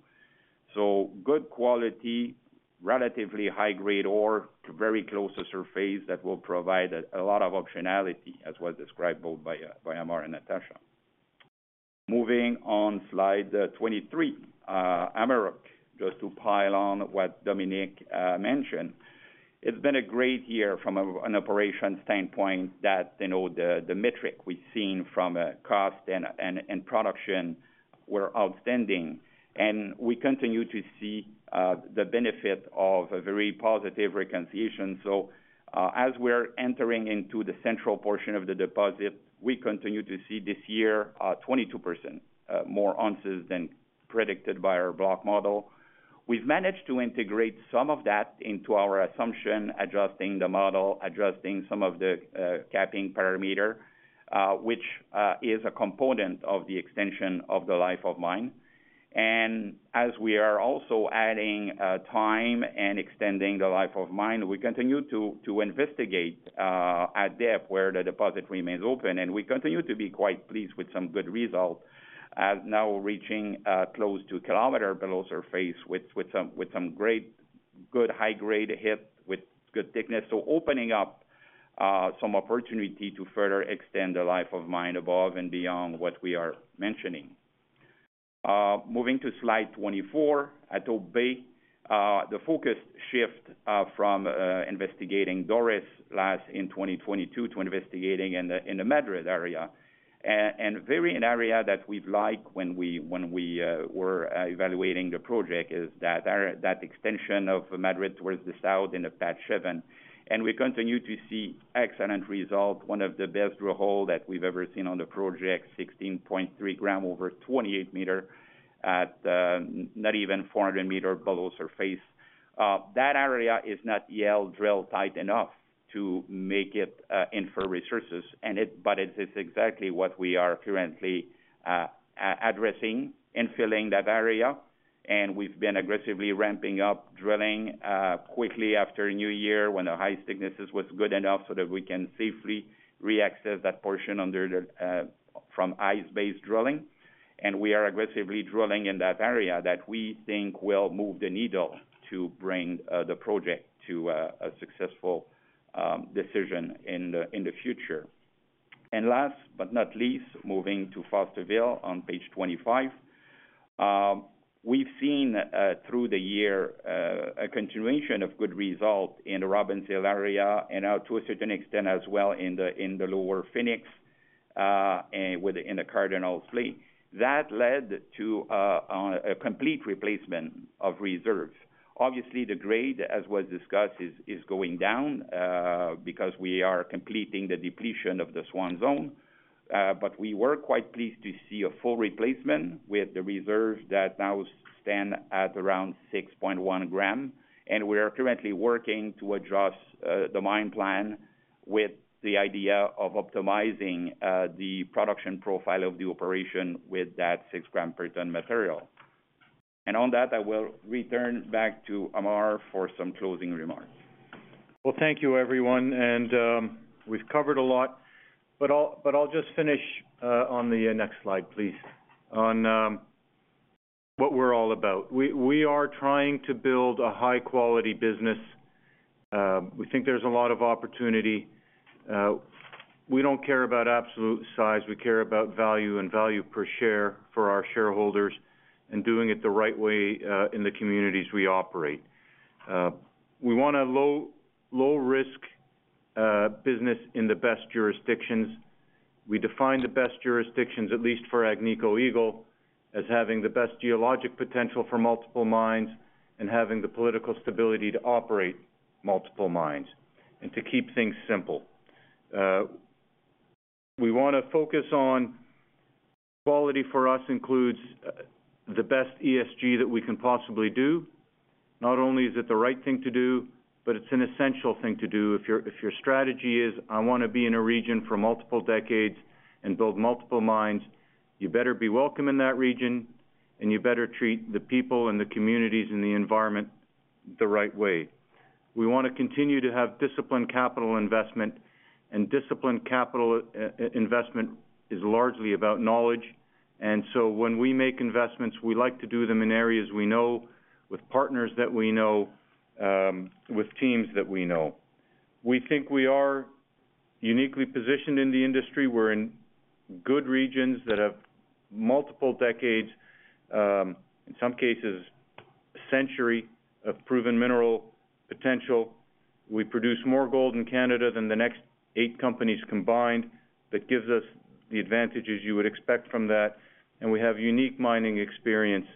So good quality, relatively high-grade ore, very close to surface that will provide a lot of optionality, as was described both by Ammar and Natasha. Moving on slide 23, Amaruq, just to pile on what Dominique mentioned, it's been a great year from an operation standpoint that the metric we've seen from cost and production were outstanding. We continue to see the benefit of a very positive reconciliation. So as we're entering into the central portion of the deposit, we continue to see this year 22% more ounces than predicted by our block model. We've managed to integrate some of that into our assumption, adjusting the model, adjusting some of the capping parameter, which is a component of the extension of the life of mine. As we are also adding time and extending the life of mine, we continue to investigate at depth where the deposit remains open. We continue to be quite pleased with some good result now reaching close to a kilometer below surface with some great, good high-grade hit with good thickness, so opening up some opportunity to further extend the life of mine above and beyond what we are mentioning. Moving to slide 24, at Hope Bay, the focus shift from investigating Doris North in 2022 to investigating in the Madrid area, and an area that we've liked when we were evaluating the project, is that extension of Madrid towards the south in the Patch 7. We continue to see excellent result, one of the best drill holes that we've ever seen on the project, 16.3 grams over 28 meters at not even 400 meters below surface. That area is not yet drilled tight enough to make it inferred resources. But it's exactly what we are currently addressing, infilling that area. We've been aggressively ramping up drilling quickly after New Year when the highest thicknesses was good enough so that we can safely reaccess that portion from ice-based drilling. We are aggressively drilling in that area that we think will move the needle to bring the project to a successful decision in the future. Last but not least, moving to Fosterville on page 25, we've seen through the year a continuation of good result in the Robbins Hill area and now, to a certain extent as well, in the Lower Phoenix and in the Cardinal splays. That led to a complete replacement of reserves. Obviously, the grade, as was discussed, is going down because we are completing the depletion of the Swan Zone. But we were quite pleased to see a full replacement with the reserves that now stand at around 6.1 gram. We are currently working to adjust the mine plan with the idea of optimizing the production profile of the operation with that 6 gram per ton material. On that, I will return back to Ammar for some closing remarks. Well, thank you, everyone. We've covered a lot. I'll just finish on the next slide, please, on what we're all about. We are trying to build a high-quality business. We think there's a lot of opportunity. We don't care about absolute size. We care about value and value per share for our shareholders and doing it the right way in the communities we operate. We want a low-risk business in the best jurisdictions. We define the best jurisdictions, at least for Agnico Eagle, as having the best geologic potential for multiple mines and having the political stability to operate multiple mines and to keep things simple. We want to focus on quality. For us, it includes the best ESG that we can possibly do. Not only is it the right thing to do, but it's an essential thing to do. If your strategy is, "I want to be in a region for multiple decades and build multiple mines," you better be welcome in that region. And you better treat the people and the communities and the environment the right way. We want to continue to have disciplined capital investment. Disciplined capital investment is largely about knowledge. So when we make investments, we like to do them in areas we know, with partners that we know, with teams that we know. We think we are uniquely positioned in the industry. We're in good regions that have multiple decades, in some cases, a century of proven mineral potential. We produce more gold in Canada than the next eight companies combined. That gives us the advantages you would expect from that. We have unique mining experience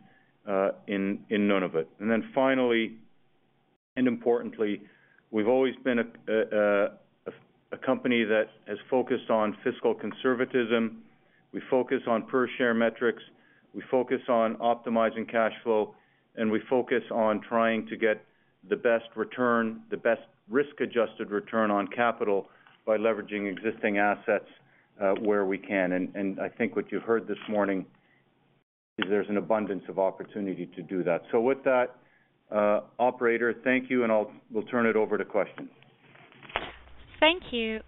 in Nunavut. Then finally and importantly, we've always been a company that has focused on fiscal conservatism. We focus on per-share metrics. We focus on optimizing cash flow. We focus on trying to get the best return, the best risk-adjusted return on capital by leveraging existing assets where we can. I think what you've heard this morning is there's an abundance of opportunity to do that. So with that, operator, thank you. We'll turn it over to questions. Thank you.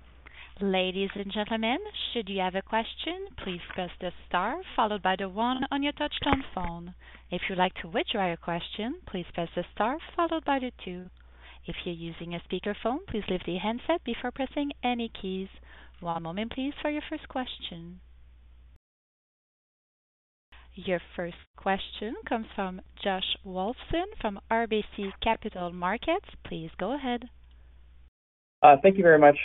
Ladies and gentlemen, should you have a question, please press the star followed by the one on your touch-tone phone. If you'd like to withdraw your question, please press the star followed by the two. If you're using a speakerphone, please leave the handset before pressing any keys. One moment, please, for your first question. Your first question comes from Josh Wolfson from RBC Capital Markets. Please go ahead. Thank you very much.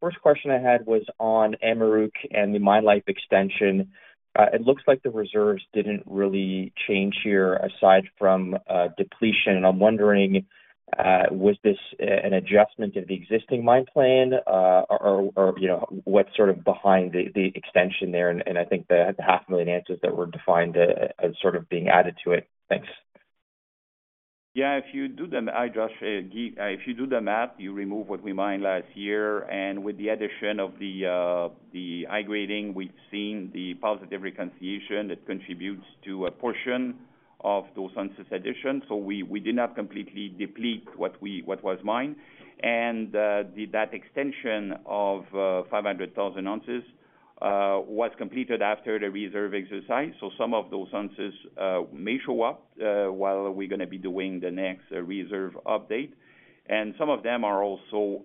First question I had was on Amaruq and the mine life extension. It looks like the reserves didn't really change here aside from depletion. I'm wondering, was this an adjustment of the existing mine plan, or what's sort of behind the extension there? I think the 500,000 ounces that were defined as sort of being added to it. Thanks. Yeah. If you do the math, Josh, if you do the math, you remove what we mined last year. With the addition of the high-grading, we've seen the positive reconciliation that contributes to a portion of those ounces addition. So we did not completely deplete what was mined. That extension of 500,000 ounces was completed after the reserve exercise. So some of those ounces may show up while we're going to be doing the next reserve update. And some of them are also,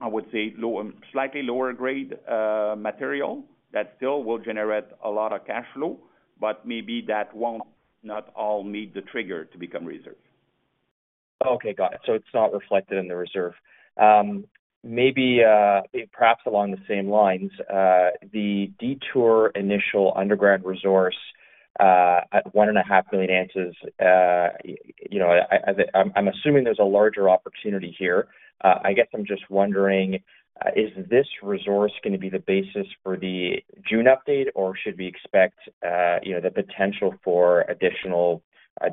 I would say, slightly lower-grade material that still will generate a lot of cash flow. But maybe that won't not all meet the trigger to become reserve. Okay. Got it. So it's not reflected in the reserve. Maybe perhaps along the same lines, the Detour initial underground resource at 1.5 million ounces, I'm assuming there's a larger opportunity here. I guess I'm just wondering, is this resource going to be the basis for the June update? Or should we expect the potential for additional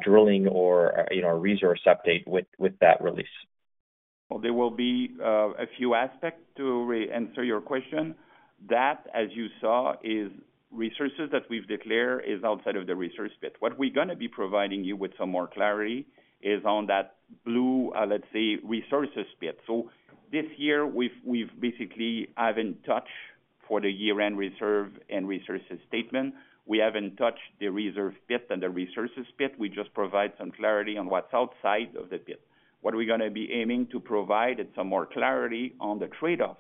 drilling or resource update with that release? Well, there will be a few aspects to answer your question. That, as you saw, is resources that we've declared is outside of the resource bit. What we're going to be providing you with some more clarity is on that blue, let's say, resources pit. So this year, we've basically haven't touched for the year-end reserve and resources statement. We haven't touched the reserve pit and the resources pit. We just provide some clarity on what's outside of the pit. What we're going to be aiming to provide is some more clarity on the trade-off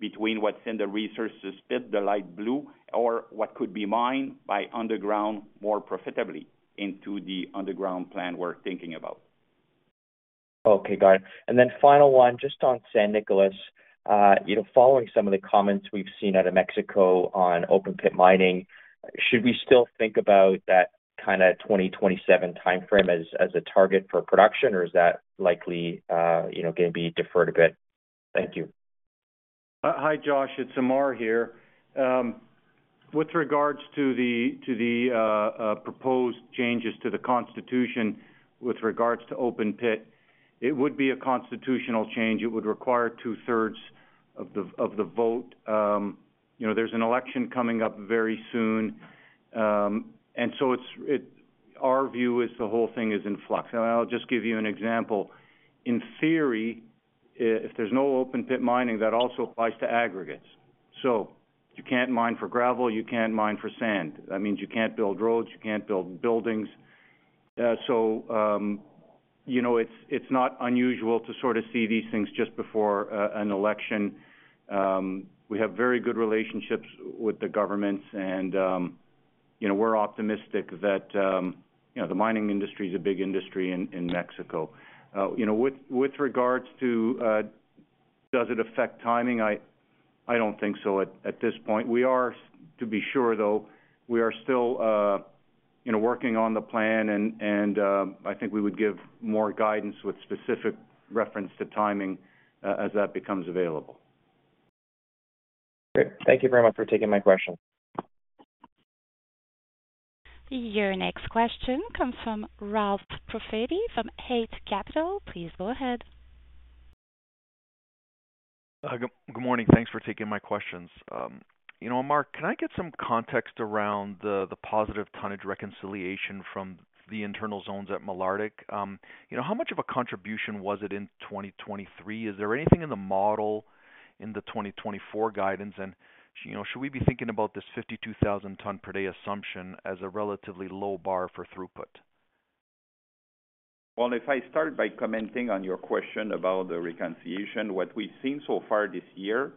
between what's in the resources pit, the light blue, or what could be mined by underground more profitably into the underground plan we're thinking about. Okay. Got it. And then final one, just on San Nicolás, following some of the comments we've seen out of Mexico on open-pit mining, should we still think about that kind of 2027 time frame as a target for production? Or is that likely going to be deferred a bit? Thank you. Hi, Josh. It's Ammar here. With regards to the proposed changes to the constitution with regards to open pit, it would be a constitutional change. It would require two-thirds of the vote. There's an election coming up very soon. Our view is the whole thing is in flux. I'll just give you an example. In theory, if there's no open-pit mining, that also applies to aggregates. So you can't mine for gravel. You can't mine for sand. That means you can't build roads. You can't build buildings. So it's not unusual to sort of see these things just before an election. We have very good relationships with the governments. We're optimistic that the mining industry is a big industry in Mexico. With regards to does it affect timing, I don't think so at this point. To be sure, though, we are still working on the plan. I think we would give more guidance with specific reference to timing as that becomes available. Great. Thank you very much for taking my question. Your next question comes from Ralph Profiti from Eight Capital. Please go ahead. Good morning. Thanks for taking my questions. Ammar, can I get some context around the positive tonnage reconciliation from the Internal Zones at Malartic? How much of a contribution was it in 2023? Is there anything in the model in the 2024 guidance? And should we be thinking about this 52,000 ton per day assumption as a relatively low bar for throughput? Well, if I start by commenting on your question about the reconciliation, what we've seen so far this year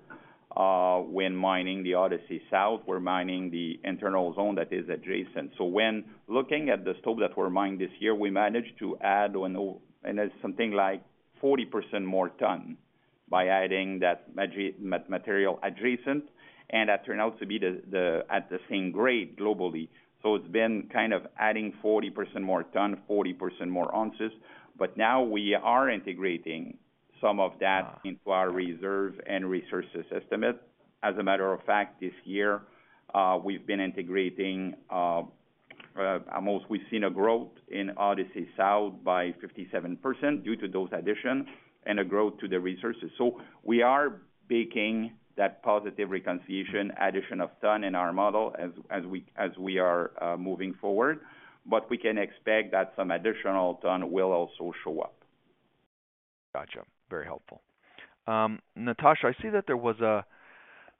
when mining the Odyssey South, we're mining the Internal Zone that is adjacent. So when looking at the stope that we're mining this year, we managed to add something like 40% more ton by adding that material adjacent. And that turned out to be at the same grade globally. So it's been kind of adding 40% more ton, 40% more ounces. But now we are integrating some of that into our reserve and resources estimate. As a matter of fact, this year, we've been integrating almost we've seen a growth in Odyssey South by 57% due to those additions and a growth to the resources. So we are baking that positive reconciliation addition of ton in our model as we are moving forward. But we can expect that some additional ton will also show up. Gotcha. Very helpful. Natasha, I see that there was a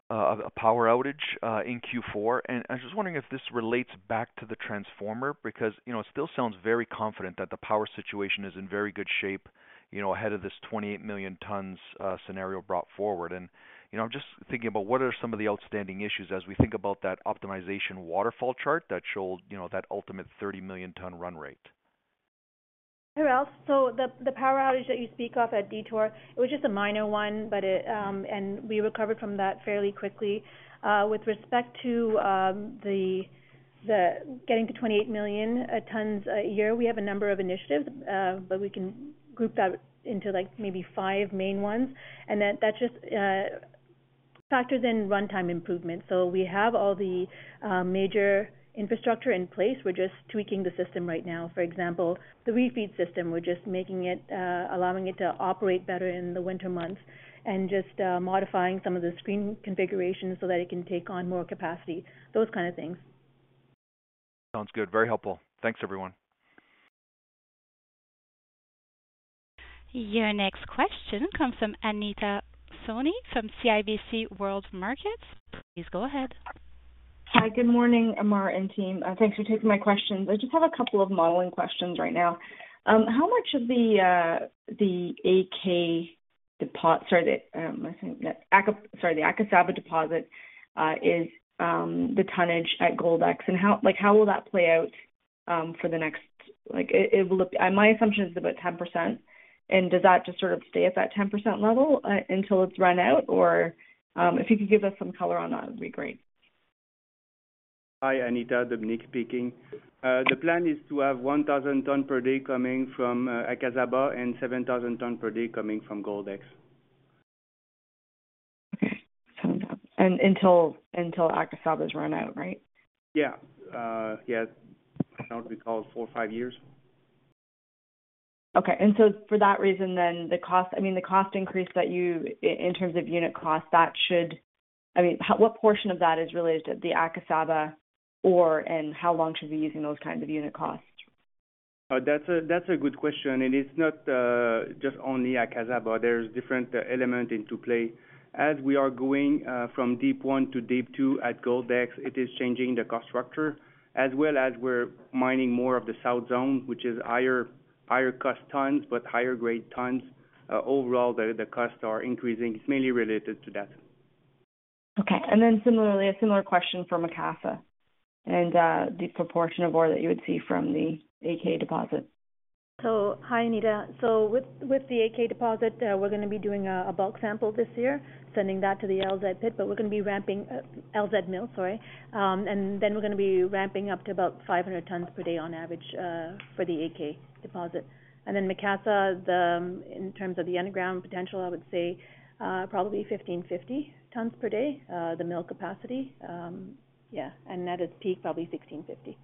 power outage in Q4. I was just wondering if this relates back to the transformer because it still sounds very confident that the power situation is in very good shape ahead of this 28 million tons scenario brought forward. I'm just thinking about what are some of the outstanding issues as we think about that optimization waterfall chart that showed that ultimate 30 million ton run rate? Well, so the power outage that you speak of at Detour, it was just a minor one. We recovered from that fairly quickly. With respect to getting to 28 million tons a year, we have a number of initiatives. We can group that into maybe five main ones. That just factors in runtime improvements. We have all the major infrastructure in place. We're just tweaking the system right now. For example, the refeed system. We're just allowing it to operate better in the winter months and just modifying some of the screen configurations so that it can take on more capacity, those kind of things. Sounds good. Very helpful. Thanks, everyone. Your next question comes from Anita Soni from CIBC World Markets. Please go ahead. Hi. Good morning, Ammar and team. Thanks for taking my questions. I just have a couple of modeling questions right now. How much of the AK deposit, sorry, the Akasaba deposit is the tonnage at Goldex? And how will that play out for the next my assumption is about 10%. And does that just sort of stay at that 10% level until it's run out? Or if you could give us some color on that, it would be great. Hi, Anita. Dominique speaking. The plan is to have 1,000 tons per day coming from Akasaba and 7,000 tons per day coming from Goldex. Okay. 7,000 until Akasaba is run out, right? Yeah. Yeah. I thought we called four, five years. Okay. And so for that reason then, the cost I mean, the cost increase that you in terms of unit cost, that should I mean, what portion of that is related to the Akasaba? And how long should we be using those kinds of unit costs? That's a good question. And it's not just only Akasaba. There's different elements into play. As we are going from Deep 1 to Deep 2 at Goldex, it is changing the cost structure. As well as we're mining more of the South Zone, which is higher-cost tons but higher-grade tons, overall, the costs are increasing. It's mainly related to that. Okay. And then similarly, a similar question from Macassa. And the proportion of ore that you would see from the AK deposit. So hi, Anita. So with the AK deposit, we're going to be doing a bulk sample this year, sending that to the LZ pit, but we're going to be ramping LZ mill, sorry. And then we're going to be ramping up to about 500 tons per day on average for the AK deposit. And then Macassa, in terms of the underground potential, I would say probably 1,550 tons per day, the mill capacity. Yeah. And at its peak, probably 1,650.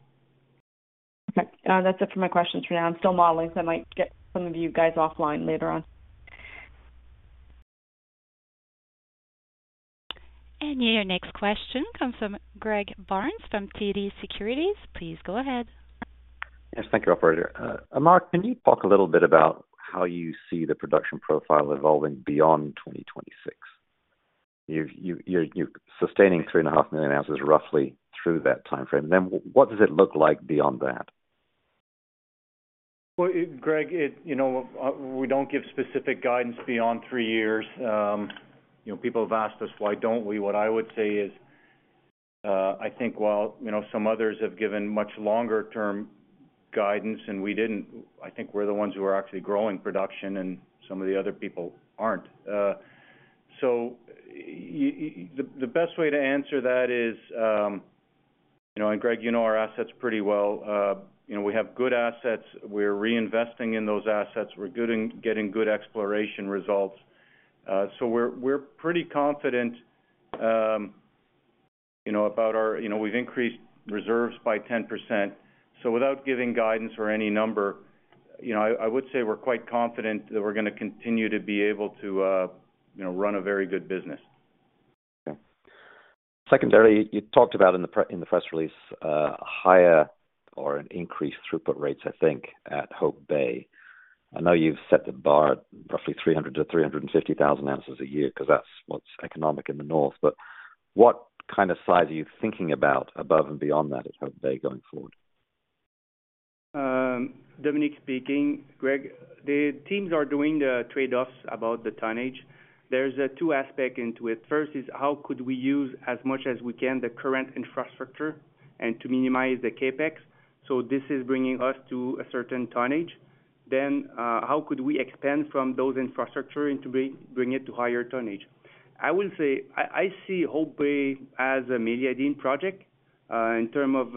Okay. That's it for my questions for now. I'm still modeling. So I might get some of you guys offline later on. And your next question comes from Greg Barnes from TD Securities. Please go ahead. Yes. Thank you, operator. Ammar, can you talk a little bit about how you see the production profile evolving beyond 2026? You're sustaining 3.5 million ounces roughly through that time frame. And then what does it look like beyond that? Well, Greg, we don't give specific guidance beyond three years. People have asked us, "Why don't we?" What I would say is I think, well, some others have given much longer-term guidance. And we didn't. I think we're the ones who are actually growing production. And some of the other people aren't. So the best way to answer that is, and Greg, you know our assets pretty well. We have good assets. We're reinvesting in those assets. We're getting good exploration results. So we're pretty confident about our we've increased reserves by 10%. So without giving guidance or any number, I would say we're quite confident that we're going to continue to be able to run a very good business. Okay. Secondarily, you talked about in the press release higher or an increased throughput rates, I think, at Hope Bay. I know you've set the bar at roughly 300,000-350,000 ounces a year because that's what's economic in the north. But what kind of size are you thinking about above and beyond that at Hope Bay going forward? Dominique speaking. Greg, the teams are doing the trade-offs about the tonnage. There's two aspects into it. First is how could we use as much as we can the current infrastructure and to minimize the CapEx? So this is bringing us to a certain tonnage. Then how could we expand from those infrastructure and to bring it to higher tonnage? I see Hope Bay as a Meliadine project in terms of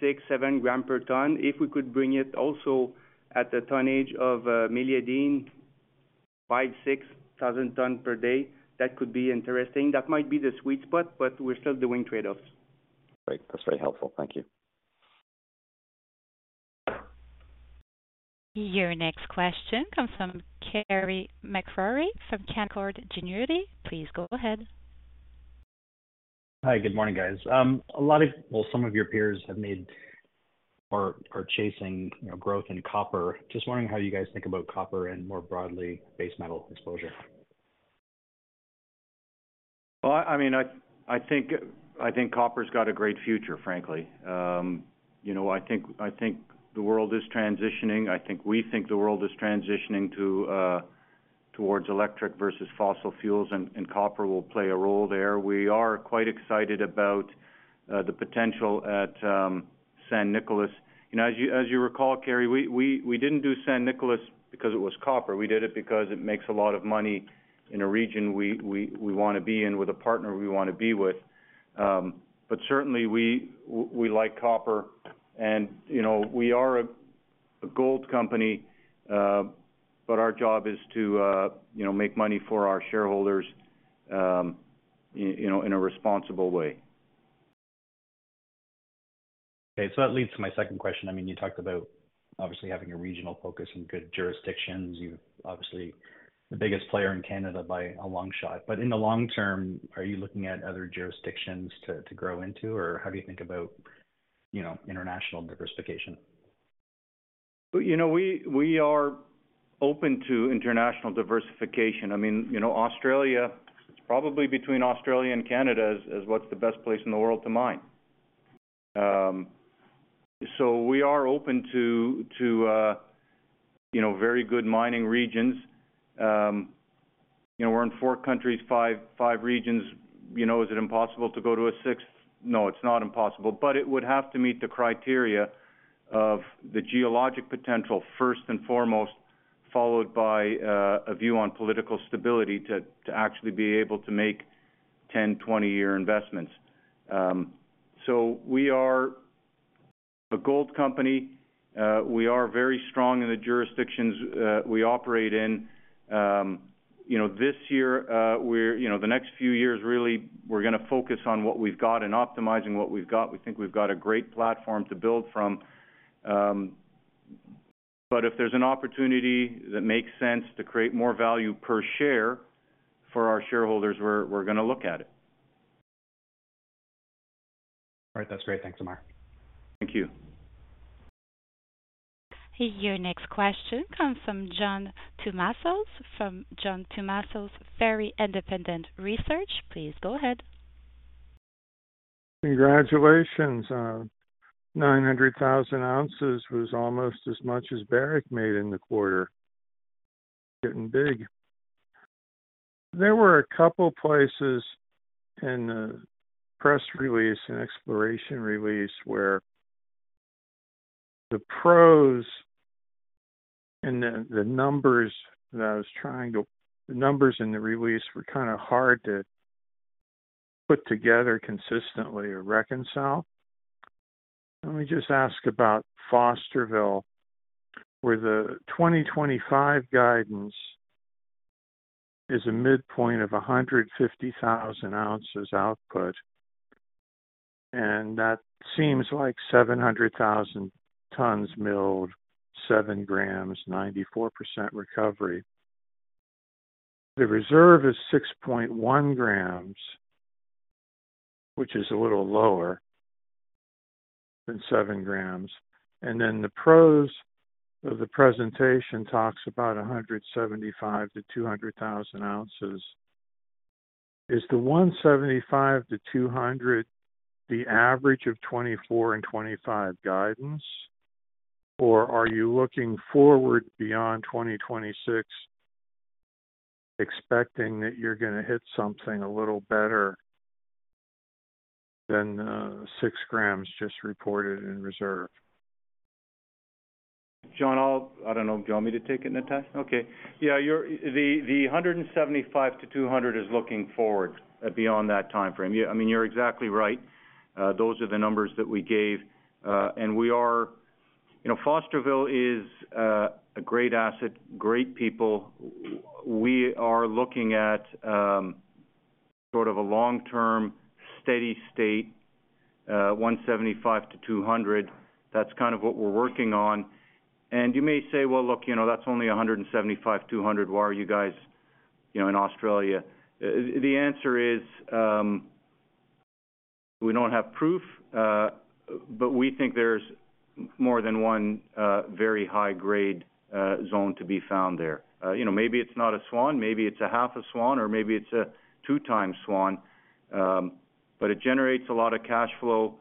$6,000-$7,000 per ton. If we could bring it also at the tonnage of Meliadine 5,000-6,000 tons per day, that could be interesting. That might be the sweet spot. But we're still doing trade-offs. Great. That's very helpful. Thank you. Your next question comes from Carey MacRury from Canaccord Genuity. Please go ahead. Hi. Good morning, guys. A lot of, well, some of your peers have made are chasing growth in copper. Just wondering how you guys think about copper and more broadly base metal exposure. Well, I mean, I think copper's got a great future, frankly. I think the world is transitioning. I think we think the world is transitioning towards electric versus fossil fuels. And copper will play a role there. We are quite excited about the potential at San Nicolás. As you recall, Carey, we didn't do San Nicolás because it was copper. We did it because it makes a lot of money in a region we want to be in with a partner we want to be with. But certainly, we like copper. And we are a gold company. But our job is to make money for our shareholders in a responsible way. Okay. So that leads to my second question. I mean, you talked about obviously having a regional focus and good jurisdictions. You're obviously the biggest player in Canada by a long shot. But in the long term, are you looking at other jurisdictions to grow into? Or how do you think about international diversification? We are open to international diversification. I mean, Australia, it's probably between Australia and Canada as what's the best place in the world to mine. So we are open to very good mining regions. We're in four countries, five regions. Is it impossible to go to a sixth? No, it's not impossible. But it would have to meet the criteria of the geologic potential first and foremost, followed by a view on political stability to actually be able to make 10, 20-year investments. So we are a gold company. We are very strong in the jurisdictions we operate in. This year, the next few years, really, we're going to focus on what we've got and optimizing what we've got. We think we've got a great platform to build from. But if there's an opportunity that makes sense to create more value per share for our shareholders, we're going to look at it. All right. That's great. Thanks, Ammar. Thank you. Your next question comes from John Tumazos from John Tumazos Very Independent Research. Please go ahead. Congratulations. 900,000 ounces was almost as much as Barrick made in the quarter. Getting big. There were a couple places in the press release and exploration release where the prose and the numbers that I was trying to tie the numbers in the release were kind of hard to put together consistently or reconcile. Let me just ask about Fosterville where the 2025 guidance is a midpoint of 150,000 ounces output. And that seems like 700,000 tons milled, 7 grams, 94% recovery. The reserve is 6.1 grams, which is a little lower than 7 grams. And then the prose of the presentation talks about 175,000-200,000 ounces. Is the 175,000-200,000 the average of 2024 and 2025 guidance? Or are you looking forward beyond 2026, expecting that you're going to hit something a little better than the 6 grams just reported in reserve? John, I don't know. Do you want me to take it, Natasha? Okay. Yeah. The 175-200 is looking forward beyond that time frame. I mean, you're exactly right. Those are the numbers that we gave. And Fosterville is a great asset, great people. We are looking at sort of a long-term steady state, 175-200. That's kind of what we're working on. And you may say, "Well, look, that's only 175-200. Why are you guys in Australia?" The answer is we don't have proof. But we think there's more than one very high-grade zone to be found there. Maybe it's not a swan. Maybe it's a half a swan. Or maybe it's a two-time swan. But it generates a lot of cash flow.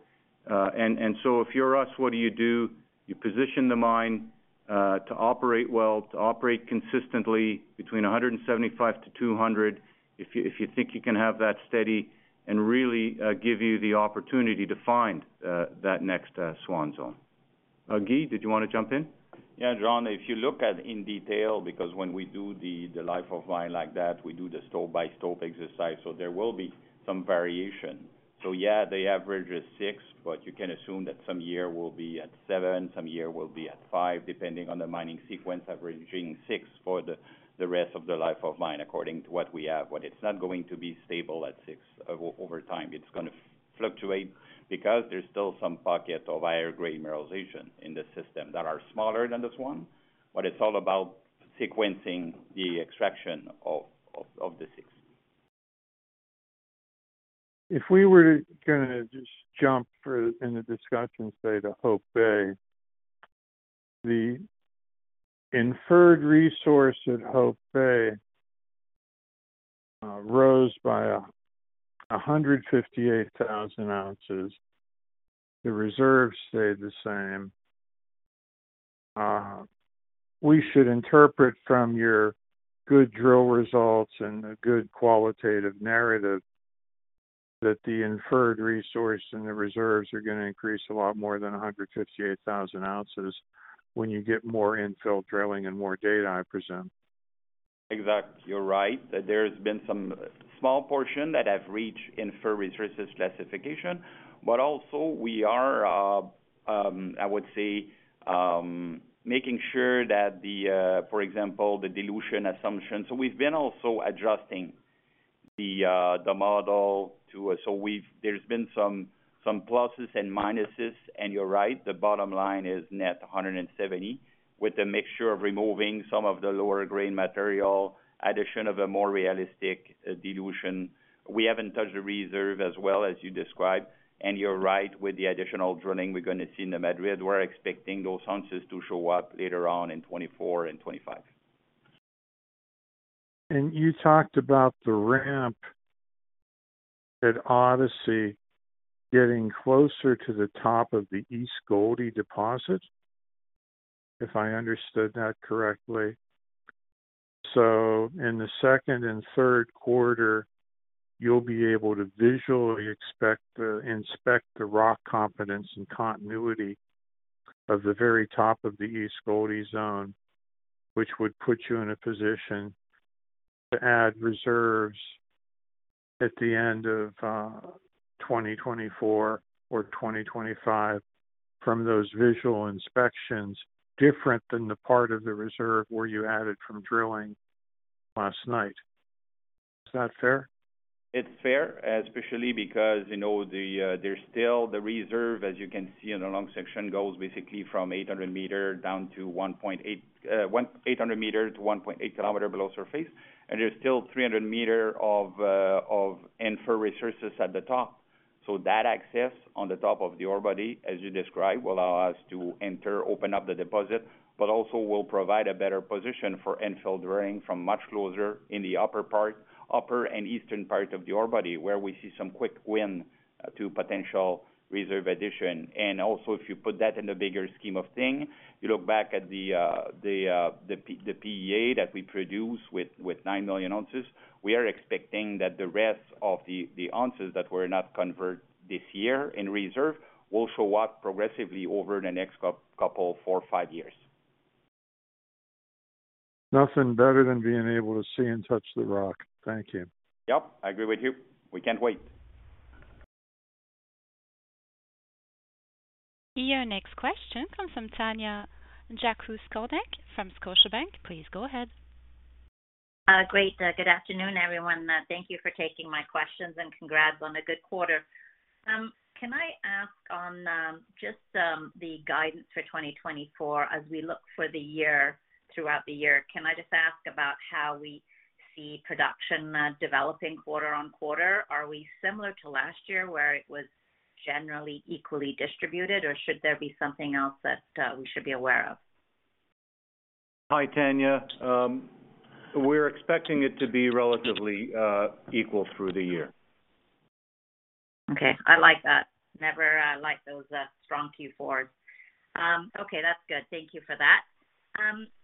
And so if you're us, what do you do? You position the mine to operate well, to operate consistently between 175-200 if you think you can have that steady and really give you the opportunity to find that next Swan Zone. Guy, did you want to jump in? Yeah, John. If you look at in detail because when we do the life of mine like that, we do the stope-by-stope exercise. There will be some variation. Yeah, the average is six. But you can assume that some year will be at seven, some year will be at five, depending on the mining sequence, averaging six for the rest of the life of mine according to what we have. But it's not going to be stable at six over time. It's going to fluctuate because there's still some pocket of higher-grade mineralization in the system that are smaller than the Swan. But it's all about sequencing the extraction of the six. If we were to kind of just jump in the discussion today to Hope Bay, the inferred resource at Hope Bay rose by 158,000 ounces. The reserves stayed the same. We should interpret from your good drill results and the good qualitative narrative that the inferred resource and the reserves are going to increase a lot more than 158,000 ounces when you get more infill drilling and more data, I presume. Exact. You're right. There's been some small portion that have reached inferred resources classification. But also, we are, I would say, making sure that the, for example, the dilution assumption so we've been also adjusting the model to so there's been some pluses and minuses. And you're right. The bottom line is net 170 with a mixture of removing some of the lower-grade material, addition of a more realistic dilution. We haven't touched the reserve as well as you described. You're right. With the additional drilling, we're going to see in the Madrid, we're expecting those ounces to show up later on in 2024 and 2025. You talked about the ramp at Odyssey getting closer to the top of the East Gouldie deposit, if I understood that correctly. In the second and third quarter, you'll be able to visually inspect the rock competence and continuity of the very top of the East Gouldie Zone, which would put you in a position to add reserves at the end of 2024 or 2025 from those visual inspections different than the part of the reserve where you added from drilling last night. Is that fair? It's fair, especially because there's still the reserve, as you can see in the long section, goes basically from 800 meters down to 1,800 meters to 1.8 km below surface. And there's still 300 meters of inferred resources at the top. So that access on the top of the ore body, as you described, will allow us to enter, open up the deposit, but also will provide a better position for infill drilling from much closer in the upper and eastern part of the ore body where we see some quick win to potential reserve addition. And also, if you put that in the bigger scheme of things, you look back at the PEA that we produce with 9 million ounces, we are expecting that the rest of the ounces that were not converted this year in reserve will show up progressively over the next couple of four, five years. Nothing better than being able to see and touch the rock. Thank you. Yep. I agree with you. We can't wait. Your next question comes from Tanya Jakusconek from Scotiabank. Please go ahead. Great. Good afternoon, everyone. Thank you for taking my questions. And congrats on a good quarter. Can I ask on just the guidance for 2024 as we look for the year throughout the year, can I just ask about how we see production developing quarter on quarter? Are we similar to last year where it was generally equally distributed? Or should there be something else that we should be aware of? Hi, Tanya. We're expecting it to be relatively equal through the year. Okay. I like that. I like those strong Q4s. Okay. That's good. Thank you for that.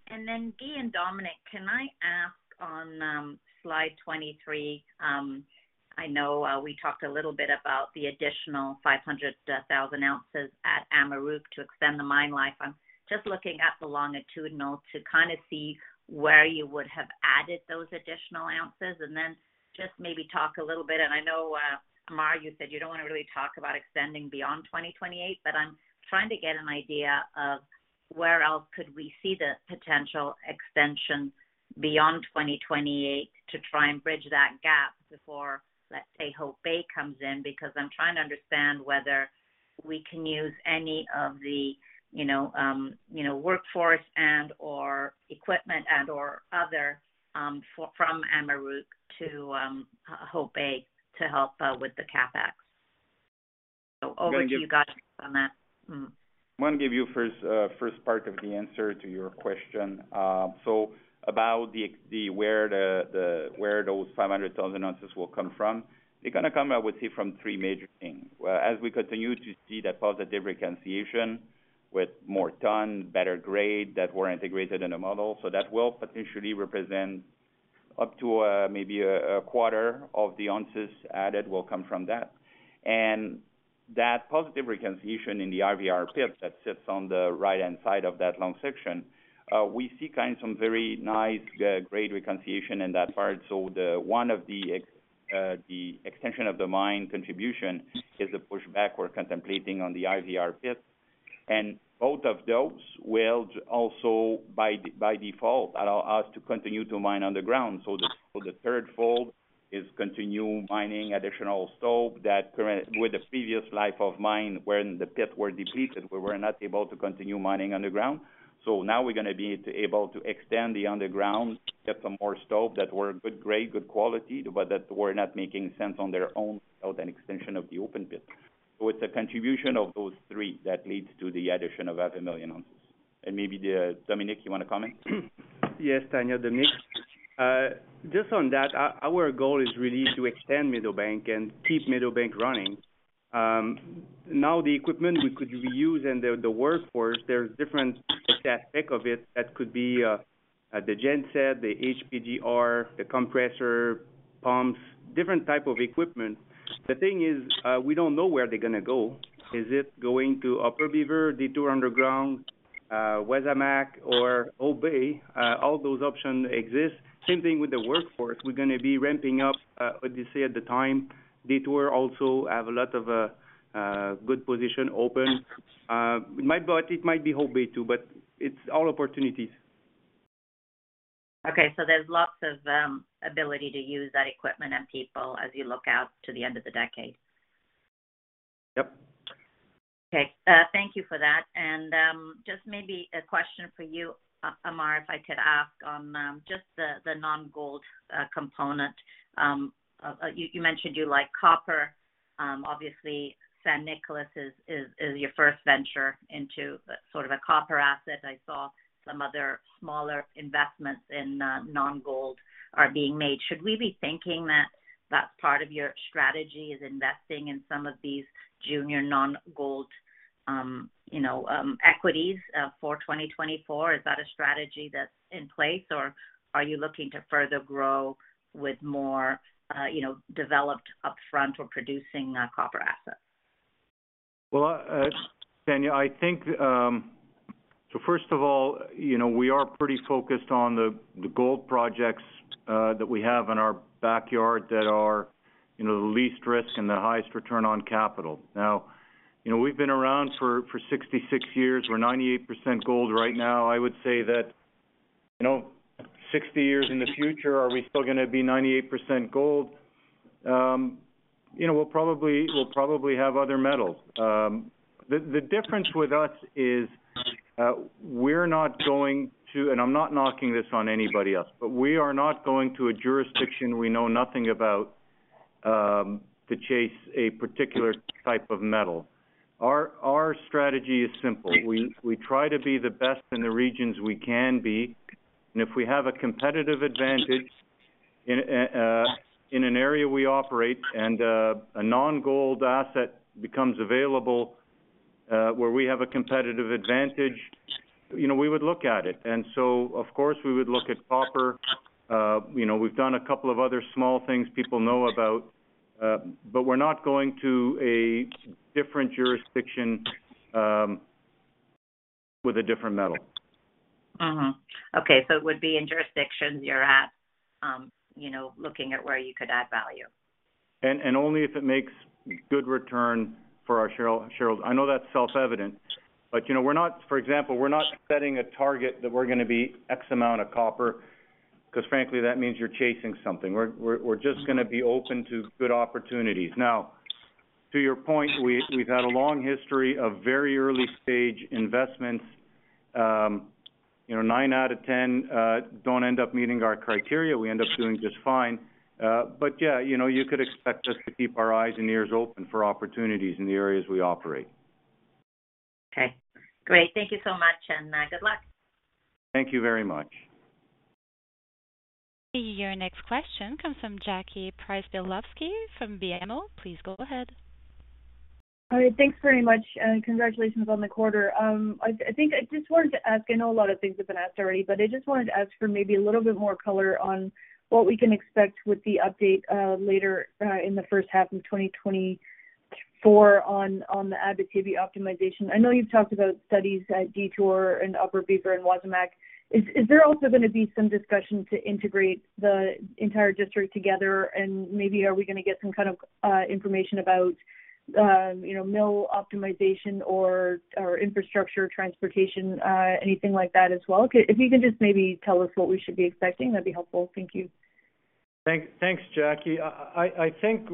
And then Guy and Dominique, can I ask on slide 23? I know we talked a little bit about the additional 500,000 ounces at Amaruq to extend the mine life. I'm just looking at the longitudinal to kind of see where you would have added those additional ounces and then just maybe talk a little bit. And I know, Ammar, you said you don't want to really talk about extending beyond 2028. But I'm trying to get an idea of where else could we see the potential extension beyond 2028 to try and bridge that gap before, let's say, Hope Bay comes in because I'm trying to understand whether we can use any of the workforce and/or equipment and/or other from Amaruq to Hope Bay to help with the CapEx. So over to you, Goss, on that. I want to give you first part of the answer to your question. So about where those 500,000 ounces will come from, they're going to come, I would say, from three major things. As we continue to see that positive reconciliation with more tons, better grade that were integrated in the model, so that will potentially represent up to maybe a quarter of the ounces added will come from that. That positive reconciliation in the IVR pit that sits on the right-hand side of that long section, we see kind of some very nice grade reconciliation in that part. So one of the extension of the mine contribution is the pushback we're contemplating on the IVR pit. And both of those will also, by default, allow us to continue to mine underground. So the third fold is continue mining additional stope that with the previous life of mine when the pit were depleted, we were not able to continue mining underground. So now we're going to be able to extend the underground, get some more stope that were good grade, good quality, but that were not making sense on their own without an extension of the open pit. So it's a contribution of those three that leads to the addition of 500,000 ounces. And maybe Dominique, you want to comment? Yes, Tanya. Dominique, just on that, our goal is really to extend Meadowbank and keep Meadowbank running. Now, the equipment we could reuse and the workforce, there's different aspects of it that could be the genset, the HPGR, the compressor, pumps, different type of equipment. The thing is we don't know where they're going to go. Is it going Upper Beaver, Detour Underground, Wasamac, or Hope Bay? All those options exist. Same thing with the workforce. We're going to be ramping up Odyssey at the time. Detour also have a lot of good position open. It might be Hope Bay too. But it's all opportunities. Okay. So there's lots of ability to use that equipment and people as you look out to the end of the decade. Yep. Okay. Thank you for that. And just maybe a question for you, Ammar, if I could ask on just the non-gold component. You mentioned you like copper. Obviously, San Nicolás is your first venture into sort of a copper asset. I saw some other smaller investments in non-gold are being made. Should we be thinking that that's part of your strategy is investing in some of these junior non-gold equities for 2024? Is that a strategy that's in place? Or are you looking to further grow with more developed upfront or producing copper assets? Well, Tanya, I think so first of all, we are pretty focused on the gold projects that we have in our backyard that are the least risk and the highest return on capital. Now, we've been around for 66 years. We're 98% gold right now. I would say that 60 years in the future, are we still going to be 98% gold? We'll probably have other metals. The difference with us is we're not going to and I'm not knocking this on anybody else. But we are not going to a jurisdiction we know nothing about to chase a particular type of metal. Our strategy is simple. We try to be the best in the regions we can be. And if we have a competitive advantage in an area we operate and a non-gold asset becomes available where we have a competitive advantage, we would look at it. And so, of course, we would look at copper. We've done a couple of other small things people know about. But we're not going to a different jurisdiction with a different metal. Okay. So it would be in jurisdictions you're at looking at where you could add value. And only if it makes good return for our shareholders. I know that's self-evident. But we're not, for example, we're not setting a target that we're going to be X amount of copper because, frankly, that means you're chasing something. We're just going to be open to good opportunities. Now, to your point, we've had a long history of very early-stage investments. 9 out of 10 don't end up meeting our criteria. We end up doing just fine. But yeah, you could expect us to keep our eyes and ears open for opportunities in the areas we operate. Okay. Great. Thank you so much. And good luck. Thank you very much. Your next question comes from Jackie Przybylowski from BMO. Please go ahead. All right. Thanks very much. And congratulations on the quarter. I just wanted to ask. I know a lot of things have been asked already. But I just wanted to ask for maybe a little bit more color on what we can expect with the update later in the first half of 2024 on the asset optimization. I know you've talked about studies at Detour and Upper Beaver and Wasamac. Is there also going to be some discussion to integrate the entire district together? And maybe are we going to get some kind of information about mill optimization or infrastructure, transportation, anything like that as well? If you can just maybe tell us what we should be expecting, that'd be helpful. Thank you. Thanks, Jackie. I think,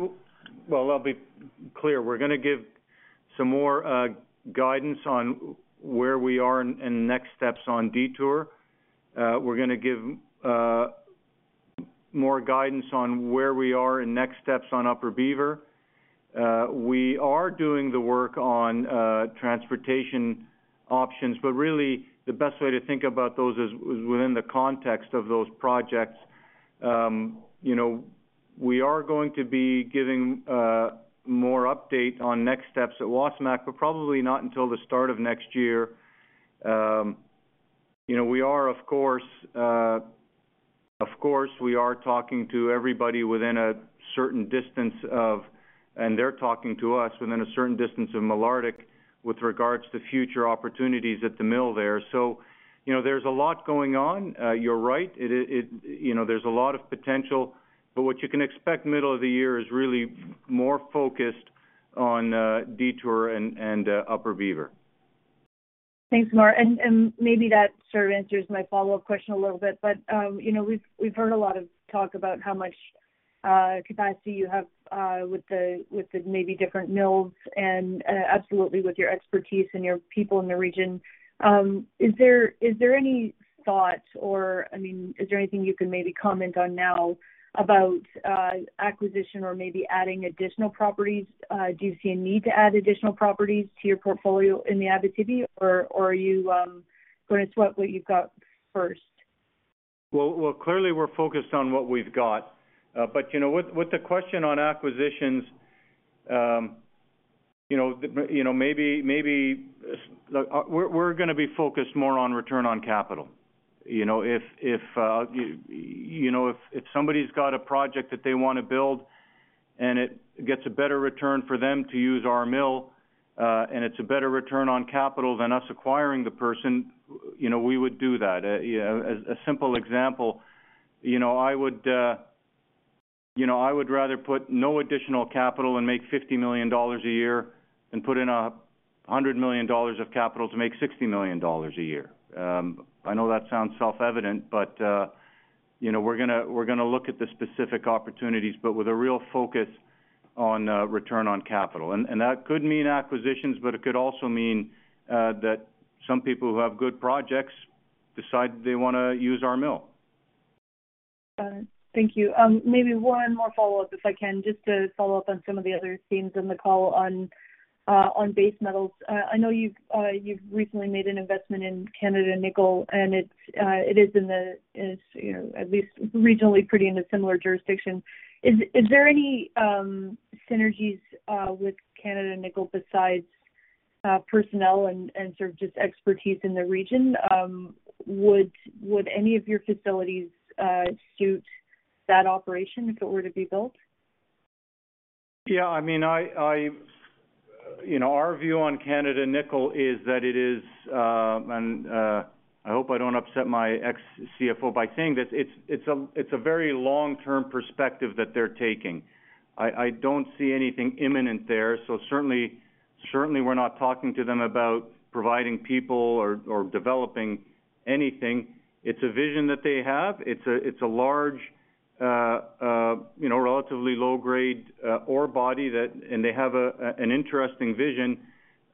well, I'll be clear. We're going to give some more guidance on where we are and next steps on Detour. We're going to give more guidance on where we are and next steps on Upper Beaver. We are doing the work on transportation options. But really, the best way to think about those is within the context of those projects. We are going to be giving more update on next steps at Wasamac but probably not until the start of next year. We are, of course, we are talking to everybody within a certain distance of and they're talking to us within a certain distance of Malartic with regards to future opportunities at the mill there. So there's a lot going on. You're right. There's a lot of potential. But what you can expect middle of the year is really more focused on Detour and Upper Beaver. Thanks, Ammar. And maybe that sort of answers my follow-up question a little bit. But we've heard a lot of talk about how much capacity you have with the maybe different mills and absolutely with your expertise and your people in the region. Is there any thought or I mean, is there anything you can maybe comment on now about acquisition or maybe adding additional properties? Do you see a need to add additional properties to your portfolio in the Abitibi? Or are you going to optimize what you've got first? Well, clearly, we're focused on what we've got. But with the question on acquisitions, maybe we're going to be focused more on return on capital. If somebody's got a project that they want to build and it gets a better return for them to use our mill and it's a better return on capital than us acquiring the property, we would do that. A simple example, I would rather put no additional capital and make $50 million a year than put in $100 million of capital to make $60 million a year. I know that sounds self-evident. But we're going to look at the specific opportunities but with a real focus on return on capital. And that could mean acquisitions. But it could also mean that some people who have good projects decide they want to use our mill. Thank you. Maybe one more follow-up if I can just to follow up on some of the other themes in the call on base metals. I know you've recently made an investment in Canada Nickel. And it is in the at least regionally, pretty in a similar jurisdiction. Is there any synergies with Canada Nickel besides personnel and sort of just expertise in the region? Would any of your facilities suit that operation if it were to be built? Yeah. I mean, our view on Canada Nickel is that it is, and I hope I don't upset my ex-CFO by saying this. It's a very long-term perspective that they're taking. I don't see anything imminent there. So certainly, we're not talking to them about providing people or developing anything. It's a vision that they have. It's a large, relatively low-grade ore body. And they have an interesting vision.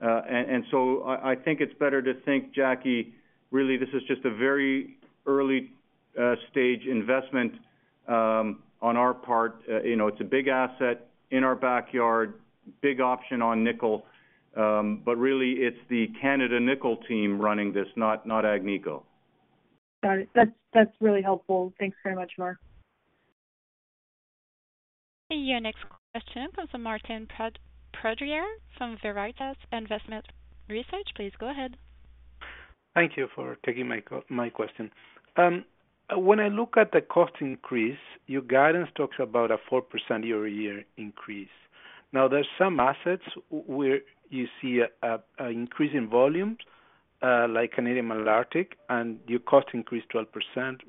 And so I think it's better to think, Jackie, really, this is just a very early-stage investment on our part. It's a big asset in our backyard, big option on nickel. But really, it's the Canada Nickel team running this, not Agnico. Got it. That's really helpful. Thanks very much, Ammar. Your next question comes from Martin Pradier from Veritas Investment Research. Please go ahead. Thank you for taking my question. When I look at the cost increase, your guidance talks about a 4% year-over-year increase. Now, there's some assets where you see an increase in volume like Canadian Malartic. Your cost increased 12%.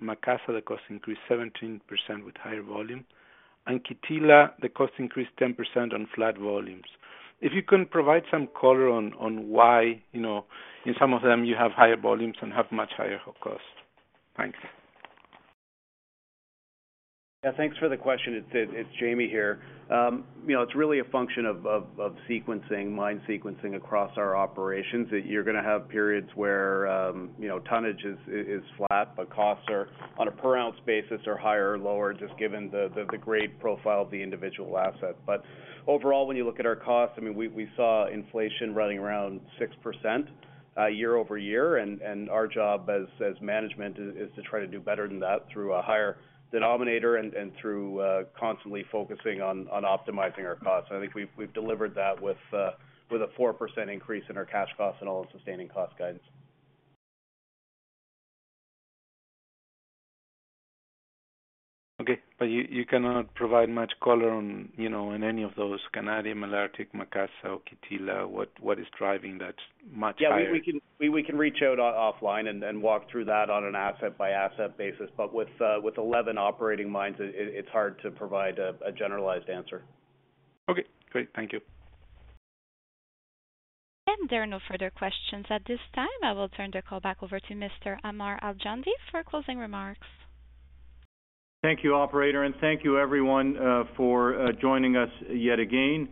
Macassa, the cost increased 17% with higher volume. Kittilä, the cost increased 10% on flat volumes. If you can provide some color on why in some of them, you have higher volumes and have much higher cost. Thanks. Yeah. Thanks for the question. It's Jamie here. It's really a function of mine sequencing across our operations that you're going to have periods where tonnage is flat but costs are on a per-ounce basis or higher or lower just given the grade profile of the individual asset. But overall, when you look at our costs, I mean, we saw inflation running around 6% year-over-year. Our job as management is to try to do better than that through a higher denominator and through constantly focusing on optimizing our costs. And I think we've delivered that with a 4% increase in our cash costs and all in sustaining cost guidance. Okay. But you cannot provide much color on any of those: Canadian Malartic, Macassa, or Kittilä? What is driving that much higher? Yeah. We can reach out offline and walk through that on an asset-by-asset basis. But with 11 operating mines, it's hard to provide a generalized answer. Okay. Great. Thank you. And there are no further questions at this time. I will turn the call back over to Mr. Ammar Al-Joundi for closing remarks. Thank you, operator. And thank you, everyone, for joining us yet again.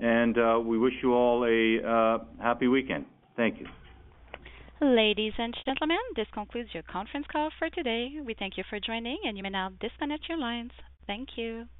And we wish you all a happy weekend. Thank you. Ladies and gentlemen, this concludes your conference call for today. We thank you for joining. You may now disconnect your lines. Thank you.